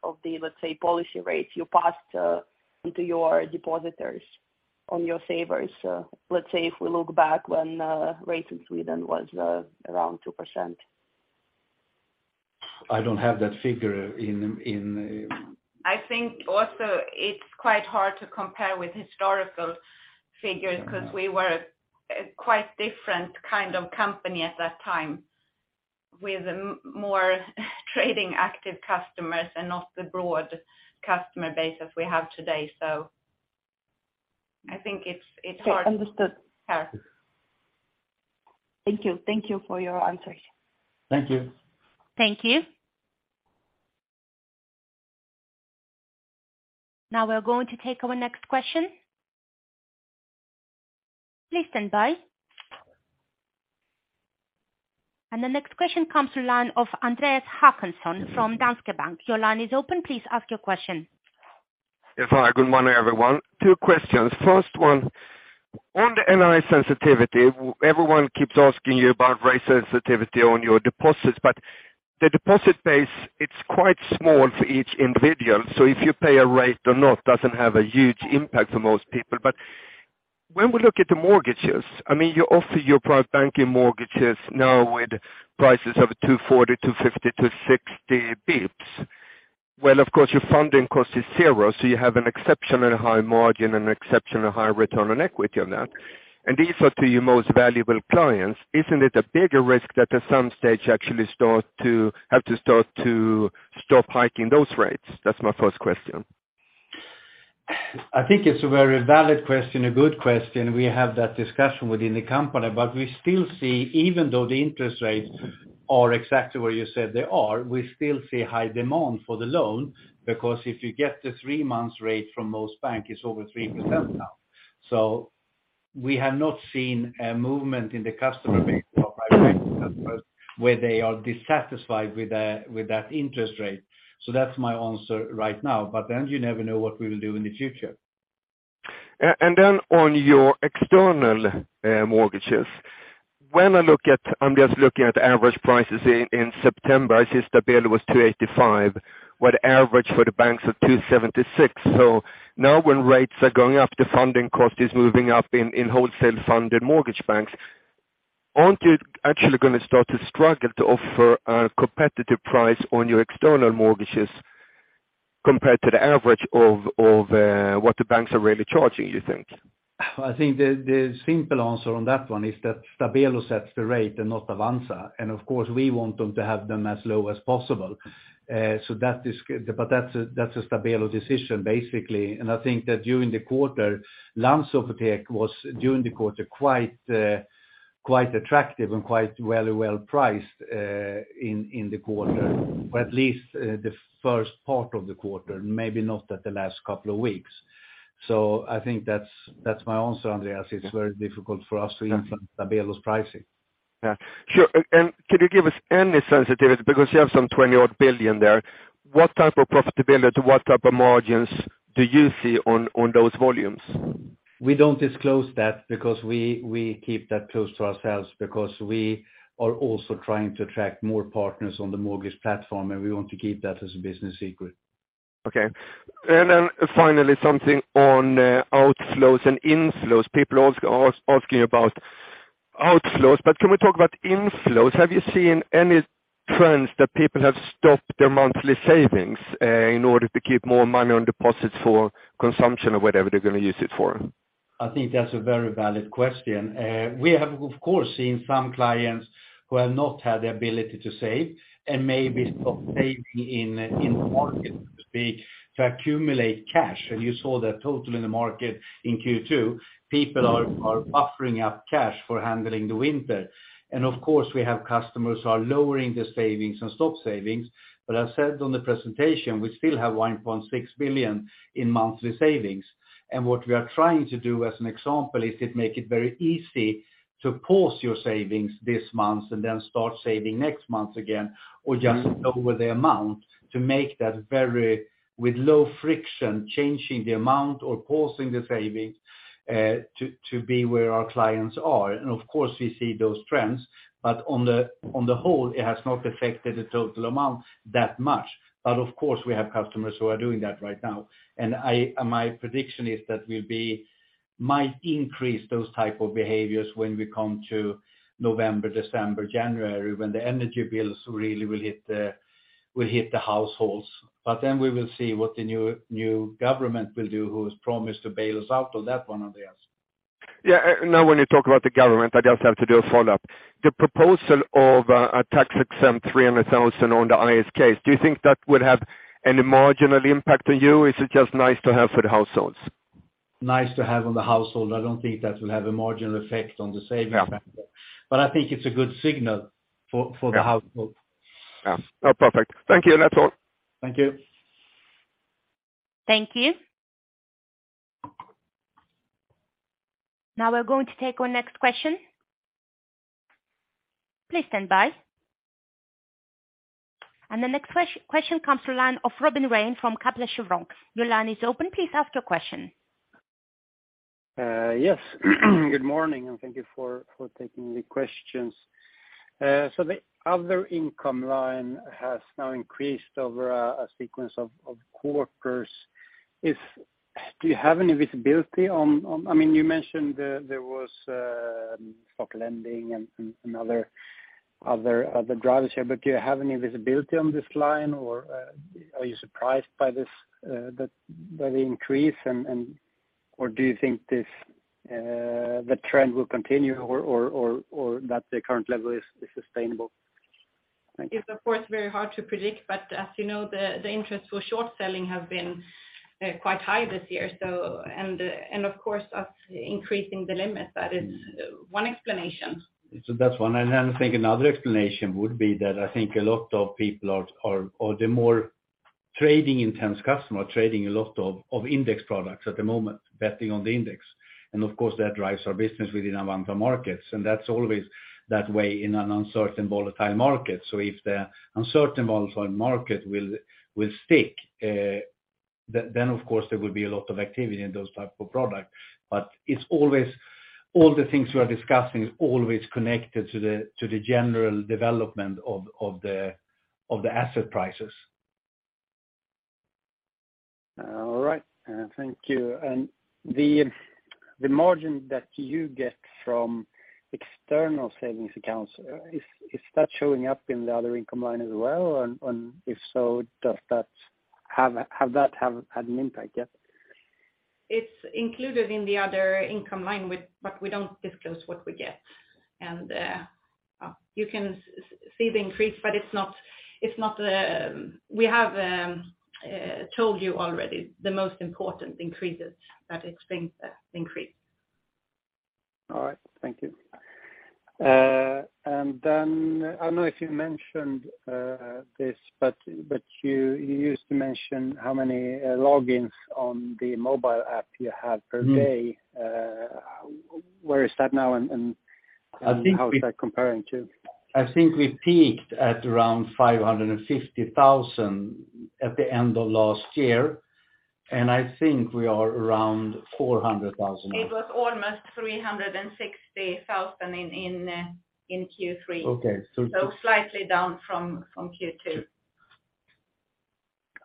of the, let's say, policy rates you passed into your depositors and your savers? Let's say if we look back when rates in Sweden was around 2%. I don't have that figure in. I think also it's quite hard to compare with historical figures. Mm-hmm. 'Cause we were a quite different kind of company at that time with more trading active customers and not the broad customer base as we have today. I think it's hard. Understood. Yeah. Thank you. Thank you for your answers. Thank you. Thank you. Now we're going to take our next question. Please stand by. The next question comes to line of Andreas Håkansson from Danske Bank. Your line is open. Please ask your question. Yeah, hi. Good morning, everyone. Two questions. First one, on the NII sensitivity, everyone keeps asking you about rate sensitivity on your deposits, but the deposit base, it's quite small for each individual, so if you pay a rate or not doesn't have a huge impact for most people. When we look at the mortgages, I mean, you offer your private banking mortgages now with prices of 240, 250, 260 basis points. Well, of course, your funding cost is zero, so you have an exceptionally high margin and exceptionally high return on equity on that. These are two of your most valuable clients. Isn't it a bigger risk that at some stage you actually have to start to stop hiking those rates? That's my first question. I think it's a very valid question, a good question. We have that discussion within the company, but we still see even though the interest rates are exactly where you said they are, we still see high demand for the loan because if you get the three-month rate from most bank, it's over 3% now. We have not seen a movement in the customer base or private bank customers where they are dissatisfied with that interest rate. That's my answer right now. You never know what we will do in the future. on your external mortgages, when I look at average prices in September. I see Stabelo was 2.85%, while the average for the banks are 2.76%. When rates are going up, the funding cost is moving up in wholesale funded mortgage banks. Aren't you actually gonna start to struggle to offer a competitive price on your external mortgages compared to the average of what the banks are really charging, you think? I think the simple answer on that one is that Stabelo sets the rate and not Avanza, and of course we want them to have them as low as possible. That's a Stabelo decision basically. I think that during the quarter, Länsförsäkringar was quite attractive and very well-priced in the quarter, or at least the first part of the quarter, maybe not at the last couple of weeks. I think that's my answer, Andreas. It's very difficult for us to influence Stabelo's pricing. Yeah, sure. Can you give us any sensitivity? Because you have some 20-odd billion there. What type of profitability to what type of margins do you see on those volumes? We don't disclose that because we keep that close to ourselves because we are also trying to attract more partners on the mortgage platform, and we want to keep that as a business secret. Okay. Finally, something on outflows and inflows. People asking about outflows, but can we talk about inflows? Have you seen any trends that people have stopped their monthly savings in order to keep more money on deposits for consumption or whatever they're gonna use it for? I think that's a very valid question. We have of course seen some clients who have not had the ability to save and maybe stop saving in the market to accumulate cash. You saw that total in the market in Q2, people are buffering up cash for handling the winter. Of course, we have customers who are lowering their savings and stop savings. As I said on the presentation, we still have 1.6 billion in monthly savings. What we are trying to do, as an example, is to make it very easy to pause your savings this month and then start saving next month again or just lower the amount to make that very low friction, changing the amount or pausing the savings to be where our clients are. Of course, we see those trends, but on the whole, it has not affected the total amount that much. Of course, we have customers who are doing that right now. My prediction is that might increase those type of behaviors when we come to November, December, January, when the energy bills really will hit the households. Then we will see what the new government will do, who has promised to bail us out on that one, Andreas. Now when you talk about the government, I just have to do a follow-up. The proposal of a tax-exempt 300,000 on the ISK, do you think that would have any marginal impact on you? Is it just nice to have for the households? Nice to have on the household. I don't think that will have a marginal effect on the savings. Yeah. I think it's a good signal for the household. Yeah. Oh, perfect. Thank you, and that's all. Thank you. Thank you. Now we're going to take our next question. Please stand by. The next question comes from the line of Robin Rane from Kepler Cheuvreux. Your line is open. Please ask your question. Yes. Good morning, and thank you for taking the questions. So the other income line has now increased over a sequence of quarters. Do you have any visibility on? I mean, you mentioned there was stock lending and other drivers here, but do you have any visibility on this line or are you surprised by the increase and? Or do you think the trend will continue or that the current level is sustainable? Thank you. It's of course very hard to predict, but as you know, the interest for short selling have been quite high this year. Of course us increasing the limit, that is one explanation. That's one. Then I think another explanation would be that I think a lot of people are. Or they're more trading intensive customer, trading a lot of index products at the moment, betting on the index. Of course, that drives our business within Avanza Markets, and that's always that way in an uncertain volatile market. If the uncertain volatile market will stick, then of course there will be a lot of activity in those type of product. It's always. All the things we are discussing is always connected to the general development of the asset prices. All right. Thank you. The margin that you get from external savings accounts, is that showing up in the other income line as well? If so, does that have had an impact yet? It's included in the other income line but we don't disclose what we get. You can see the increase, but it's not, we have told you already the most important increases that explains that increase. All right, thank you. I don't know if you mentioned this, but you used to mention how many logins on the mobile app you have per day. Mm. Where is that now? I think we. How is that comparing to? I think we peaked at around 550,000 at the end of last year, and I think we are around 400,000 now. It was almost 360,000 in Q3. Okay. Slightly down from Q2.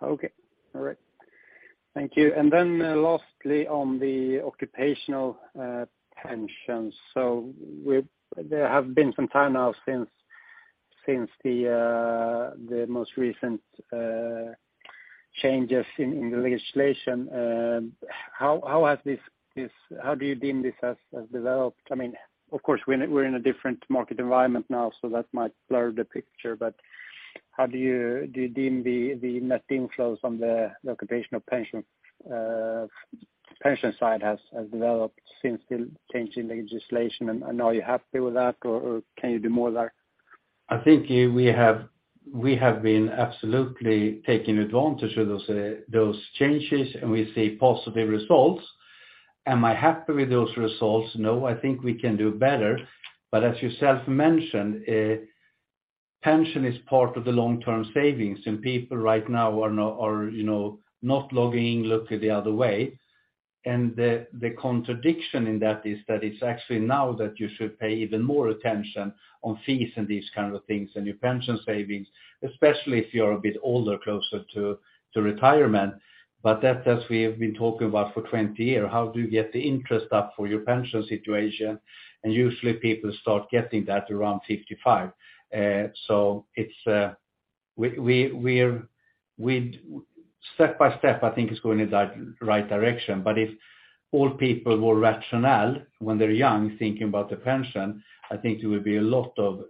Okay. All right. Thank you. Lastly on the occupational pensions. It's been some time now since the most recent changes in the legislation. How do you deem this has developed? I mean, of course we're in a different market environment now, so that might blur the picture. How do you deem the net inflows from the occupational pension side has developed since the change in legislation? Are you happy with that or can you do more there? I think we have been absolutely taking advantage of those changes, and we see positive results. Am I happy with those results? No, I think we can do better. As you said, mentioned, pension is part of the long-term savings, and people right now are not, you know, not logging in, look the other way. The contradiction in that is that it's actually now that you should pay even more attention on fees and these kind of things and your pension savings, especially if you're a bit older, closer to retirement. That, as we have been talking about for 20 years, how do you get the interest up for your pension situation? Usually people start getting that around 55. It's step by step, I think it's going in the right direction. If all people were rational when they're young thinking about their pension, I think there would be a lot of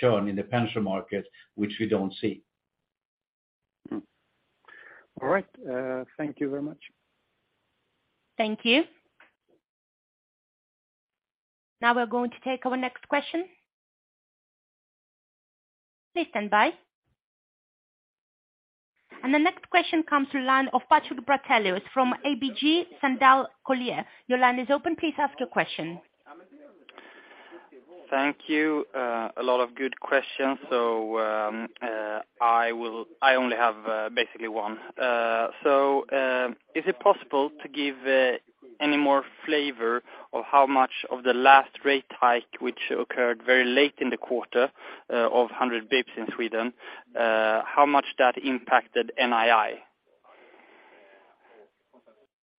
churn in the pension market, which we don't see. All right. Thank you very much. Thank you. Now we're going to take our next question. Please stand by. The next question comes through line of Patrik Brattelius from ABG Sundal Collier. Your line is open. Please ask your question. Thank you. A lot of good questions. I only have basically one. Is it possible to give any more flavor of how much of the last rate hike, which occurred very late in the quarter, of 100 bps in Sweden, how much that impacted NII?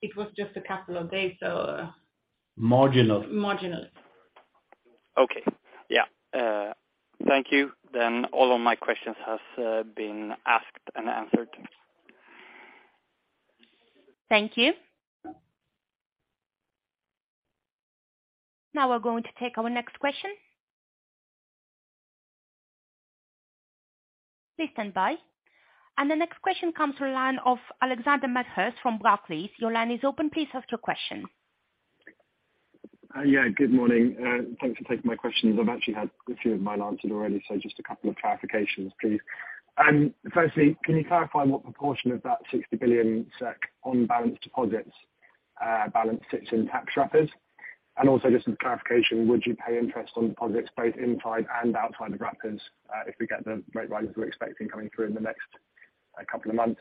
It was just a couple of days, so. Marginal Marginal. Okay. Yeah. Thank you. All of my questions has been asked and answered. Thank you. Now we're going to take our next question. Please stand by. The next question comes from the line of Alex Medhurst from Barclays. Your line is open. Please ask your question. Yeah, good morning. Thanks for taking my questions. I've actually had a few of mine answered already, so just a couple of clarifications, please. Firstly, can you clarify what proportion of that 60 billion SEK on balance deposits balance sits in tax wrappers? Also just some clarification, would you pay interest on deposits both inside and outside of wrappers, if we get the rate rises we're expecting coming through in the next couple of months?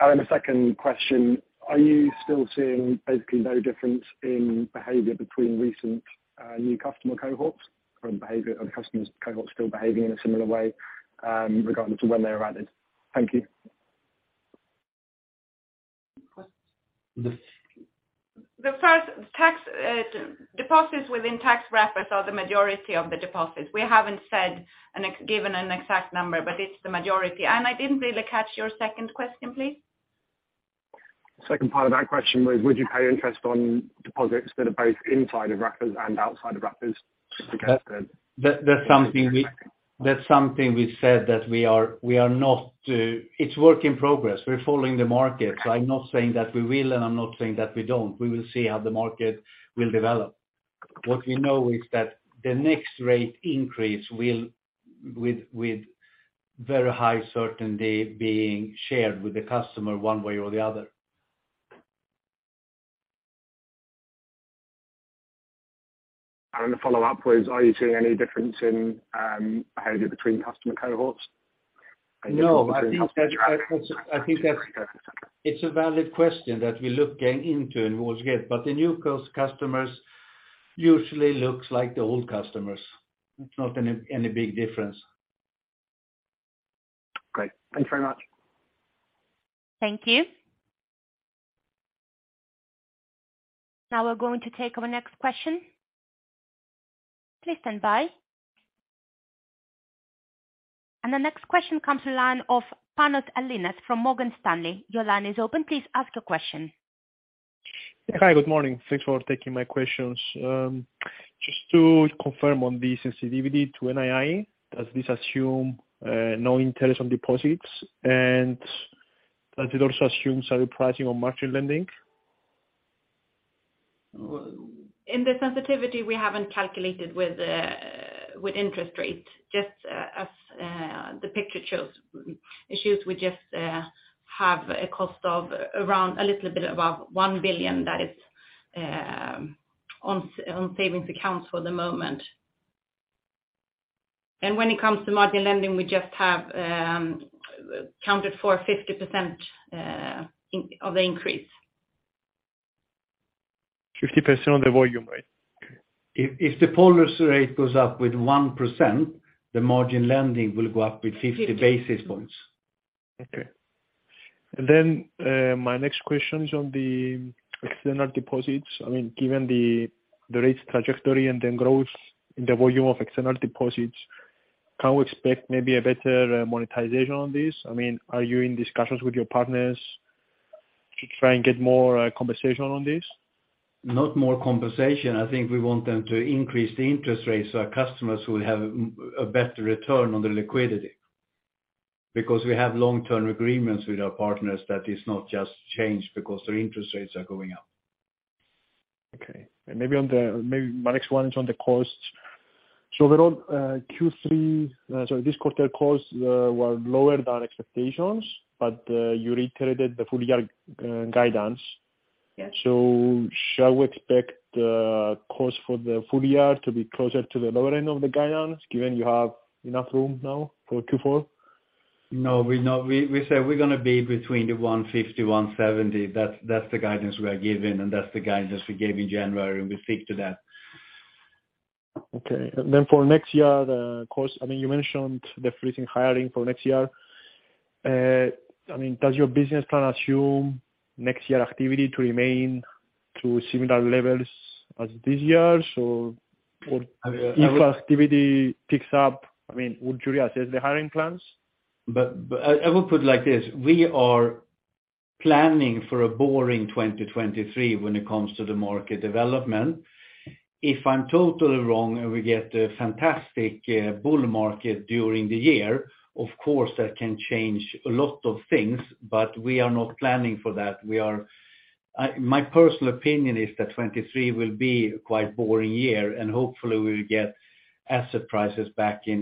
Then the second question, are you still seeing basically no difference in behavior between recent new customer cohorts? Are the customer cohorts still behaving in a similar way, regardless of when they are added? Thank you. The first tax deposits within tax wrappers are the majority of the deposits. We haven't given an exact number, but it's the majority. I didn't really catch your second question, please. Second part of that question was, would you pay interest on deposits that are both inside of wrappers and outside of wrappers to get the. That's something we said that we are not. It's work in progress. We're following the market. I'm not saying that we will, and I'm not saying that we don't. We will see how the market will develop. What we know is that the next rate increase will with very high certainty being shared with the customer one way or the other. The follow-up was, are you seeing any difference in behavior between customer cohorts? Are you. No, I think that's a valid question that we look into again and will get. The new customers usually looks like the old customers. It's not any big difference. Great. Thanks very much. Thank you. Now we're going to take our next question. Please stand by. The next question comes from the line of Panagiotis Linos from Morgan Stanley. Your line is open. Please ask your question. Yeah. Hi, good morning. Thanks for taking my questions. Just to confirm on the sensitivity to NII, does this assume no interest on deposits, and does it also assume some repricing on margin lending? In the sensitivity we haven't calculated with interest rates, just as the picture shows. It shows we just have a cost of around a little bit above 1 billion that is on savings accounts for the moment. When it comes to margin lending, we just have counted for 50% of increase. 50% of the volume, right? Okay. If the policy rate goes up with 1%, the margin lending will go up with 50 basis points. Okay. My next question is on the external deposits. I mean, given the rates trajectory and the growth in the volume of external deposits, can we expect maybe a better monetization on this? I mean, are you in discussions with your partners to try and get more compensation on this? No more conversation. I think we want them to increase the interest rates so our customers will have a better return on the liquidity. Because we have long-term agreements with our partners that is not just changed because their interest rates are going up. Okay. Maybe my next one is on the costs. Overall, Q3, this quarter costs were lower than expectations, but you reiterated the full year guidance. Yes. Shall we expect the costs for the full year to be closer to the lower end of the guidance, given you have enough room now for Q4? No, we're not. We said we're gonna be between 150-170. That's the guidance we are giving, and that's the guidance we gave in January, and we stick to that. Okay. For next year, the costs, I mean, you mentioned the freezing hiring for next year. I mean, does your business plan assume next year activity to remain to similar levels as this year? If activity picks up, I mean, would you reassess the hiring plans? I would put it like this. We are planning for a boring 2023 when it comes to the market development. If I'm totally wrong and we get a fantastic bull market during the year, of course that can change a lot of things, but we are not planning for that. My personal opinion is that 2023 will be a quite boring year, and hopefully we'll get asset prices back in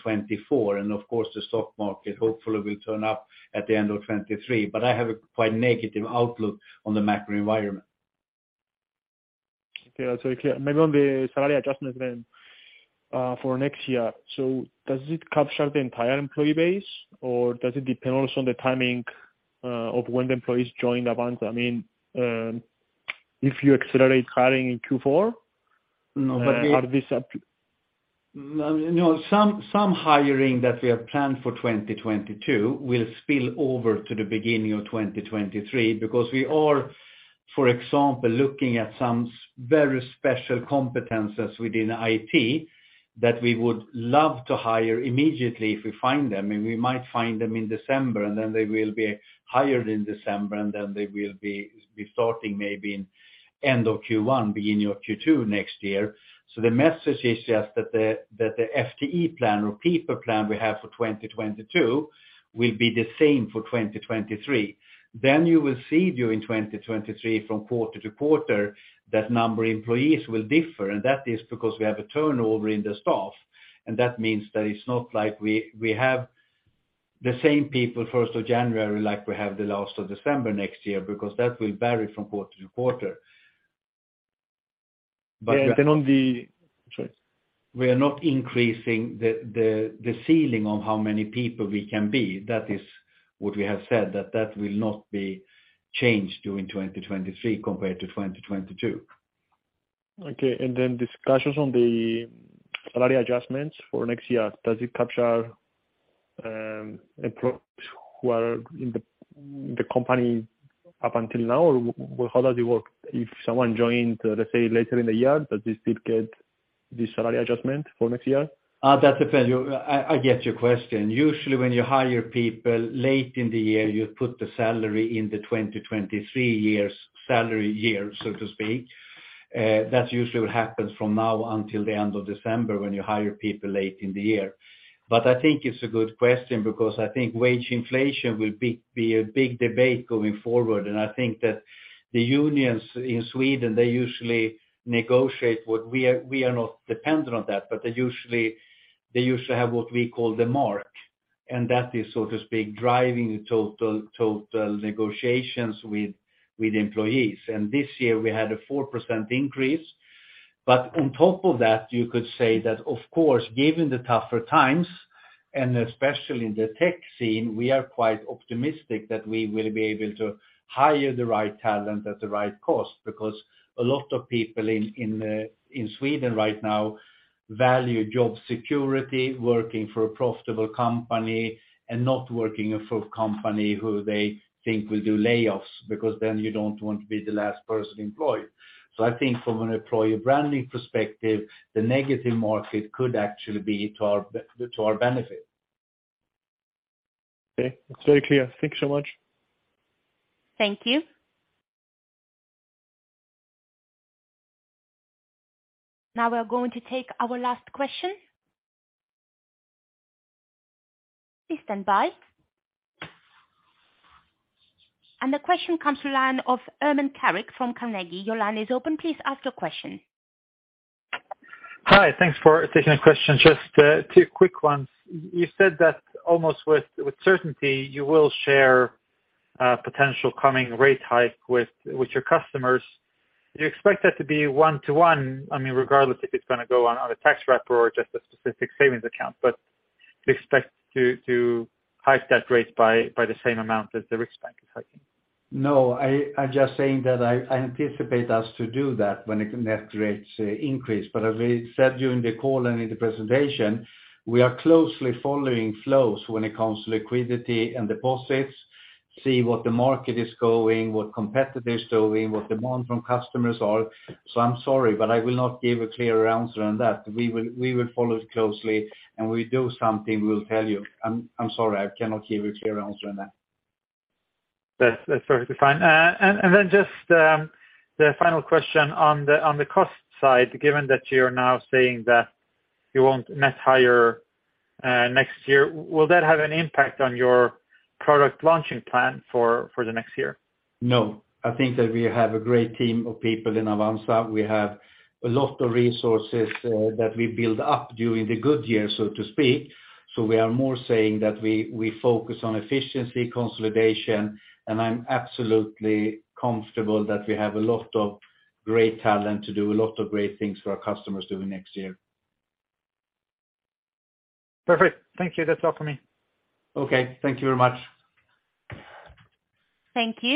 2024. Of course, the stock market hopefully will turn up at the end of 2023. I have a quite negative outlook on the macro environment. Okay. That's very clear. Maybe on the salary adjustment then for next year. Does it capture the entire employee base, or does it depend also on the timing of when the employees join the bank? I mean, if you accelerate hiring in Q4. No, but. Are this up to. No, some hiring that we have planned for 2022 will spill over to the beginning of 2023 because we are, for example, looking at some very special competencies within IT that we would love to hire immediately if we find them. We might find them in December, and then they will be hired in December, and then they will be starting maybe in end of Q1, beginning of Q2 next year. The message is just that the FTE plan or people plan we have for 2022 will be the same for 2023. You will see during 2023 from quarter to quarter that number of employees will differ, and that is because we have a turnover in the staff, and that means that it's not like we have the same people first of January like we have the last of December next year because that will vary from quarter to quarter. Sorry. We are not increasing the ceiling on how many people we can be. That is what we have said, that will not be changed during 2023 compared to 2022. Okay. Discussions on the salary adjustments for next year. Does it capture employees who are in the company up until now? How does it work? If someone joined, let's say, later in the year, does this still get the salary adjustment for next year? That's a fair question. I get your question. Usually, when you hire people late in the year, you put the salary in the 2023 year's salary year, so to speak. That usually happens from now until the end of December when you hire people late in the year. I think it's a good question because I think wage inflation will be a big debate going forward, and I think that the unions in Sweden, they usually negotiate. We are not dependent on that, but they usually have what we call the mark, and that is, so to speak, driving the total negotiations with employees. This year we had a 4% increase. On top of that, you could say that, of course, given the tougher times, especially in the tech scene, we are quite optimistic that we will be able to hire the right talent at the right cost, because a lot of people in Sweden right now value job security, working for a profitable company and not working for a failing company who they think will do layoffs, because then you don't want to be the last person employed. I think from an employee branding perspective, the negative market could actually be to our benefit. Okay. It's very clear. Thank you so much. Thank you. Now we are going to take our last question. Please stand by. The question comes to the line of Ermin Keric from Carnegie. Your line is open. Please ask your question. Hi. Thanks for taking the question. Just two quick ones. You said that almost with certainty you will share potential coming rate hike with your customers. Do you expect that to be one-to-one? I mean, regardless if it's gonna go on a tax wrapper or just a specific savings account, but do you expect to hike that rate by the same amount as the Riksbank is hiking? No, I'm just saying that I anticipate us to do that when interest rates increase. As we said during the call and in the presentation, we are closely following flows when it comes to liquidity and deposits, see what the market is doing, what competitors are doing, what demand from customers are. I'm sorry, but I will not give a clearer answer on that. We will follow it closely, and if we do something, we'll tell you. I'm sorry, I cannot give a clearer answer on that. That's perfectly fine. Just the final question on the cost side, given that you're now saying that you won't net hire next year, will that have an impact on your product launching plan for the next year? No. I think that we have a great team of people in Avanza. We have a lot of resources that we build up during the good year, so to speak. We are more saying that we focus on efficiency consolidation, and I'm absolutely comfortable that we have a lot of great talent to do a lot of great things for our customers during next year. Perfect. Thank you. That's all for me. Okay. Thank you very much. Thank you.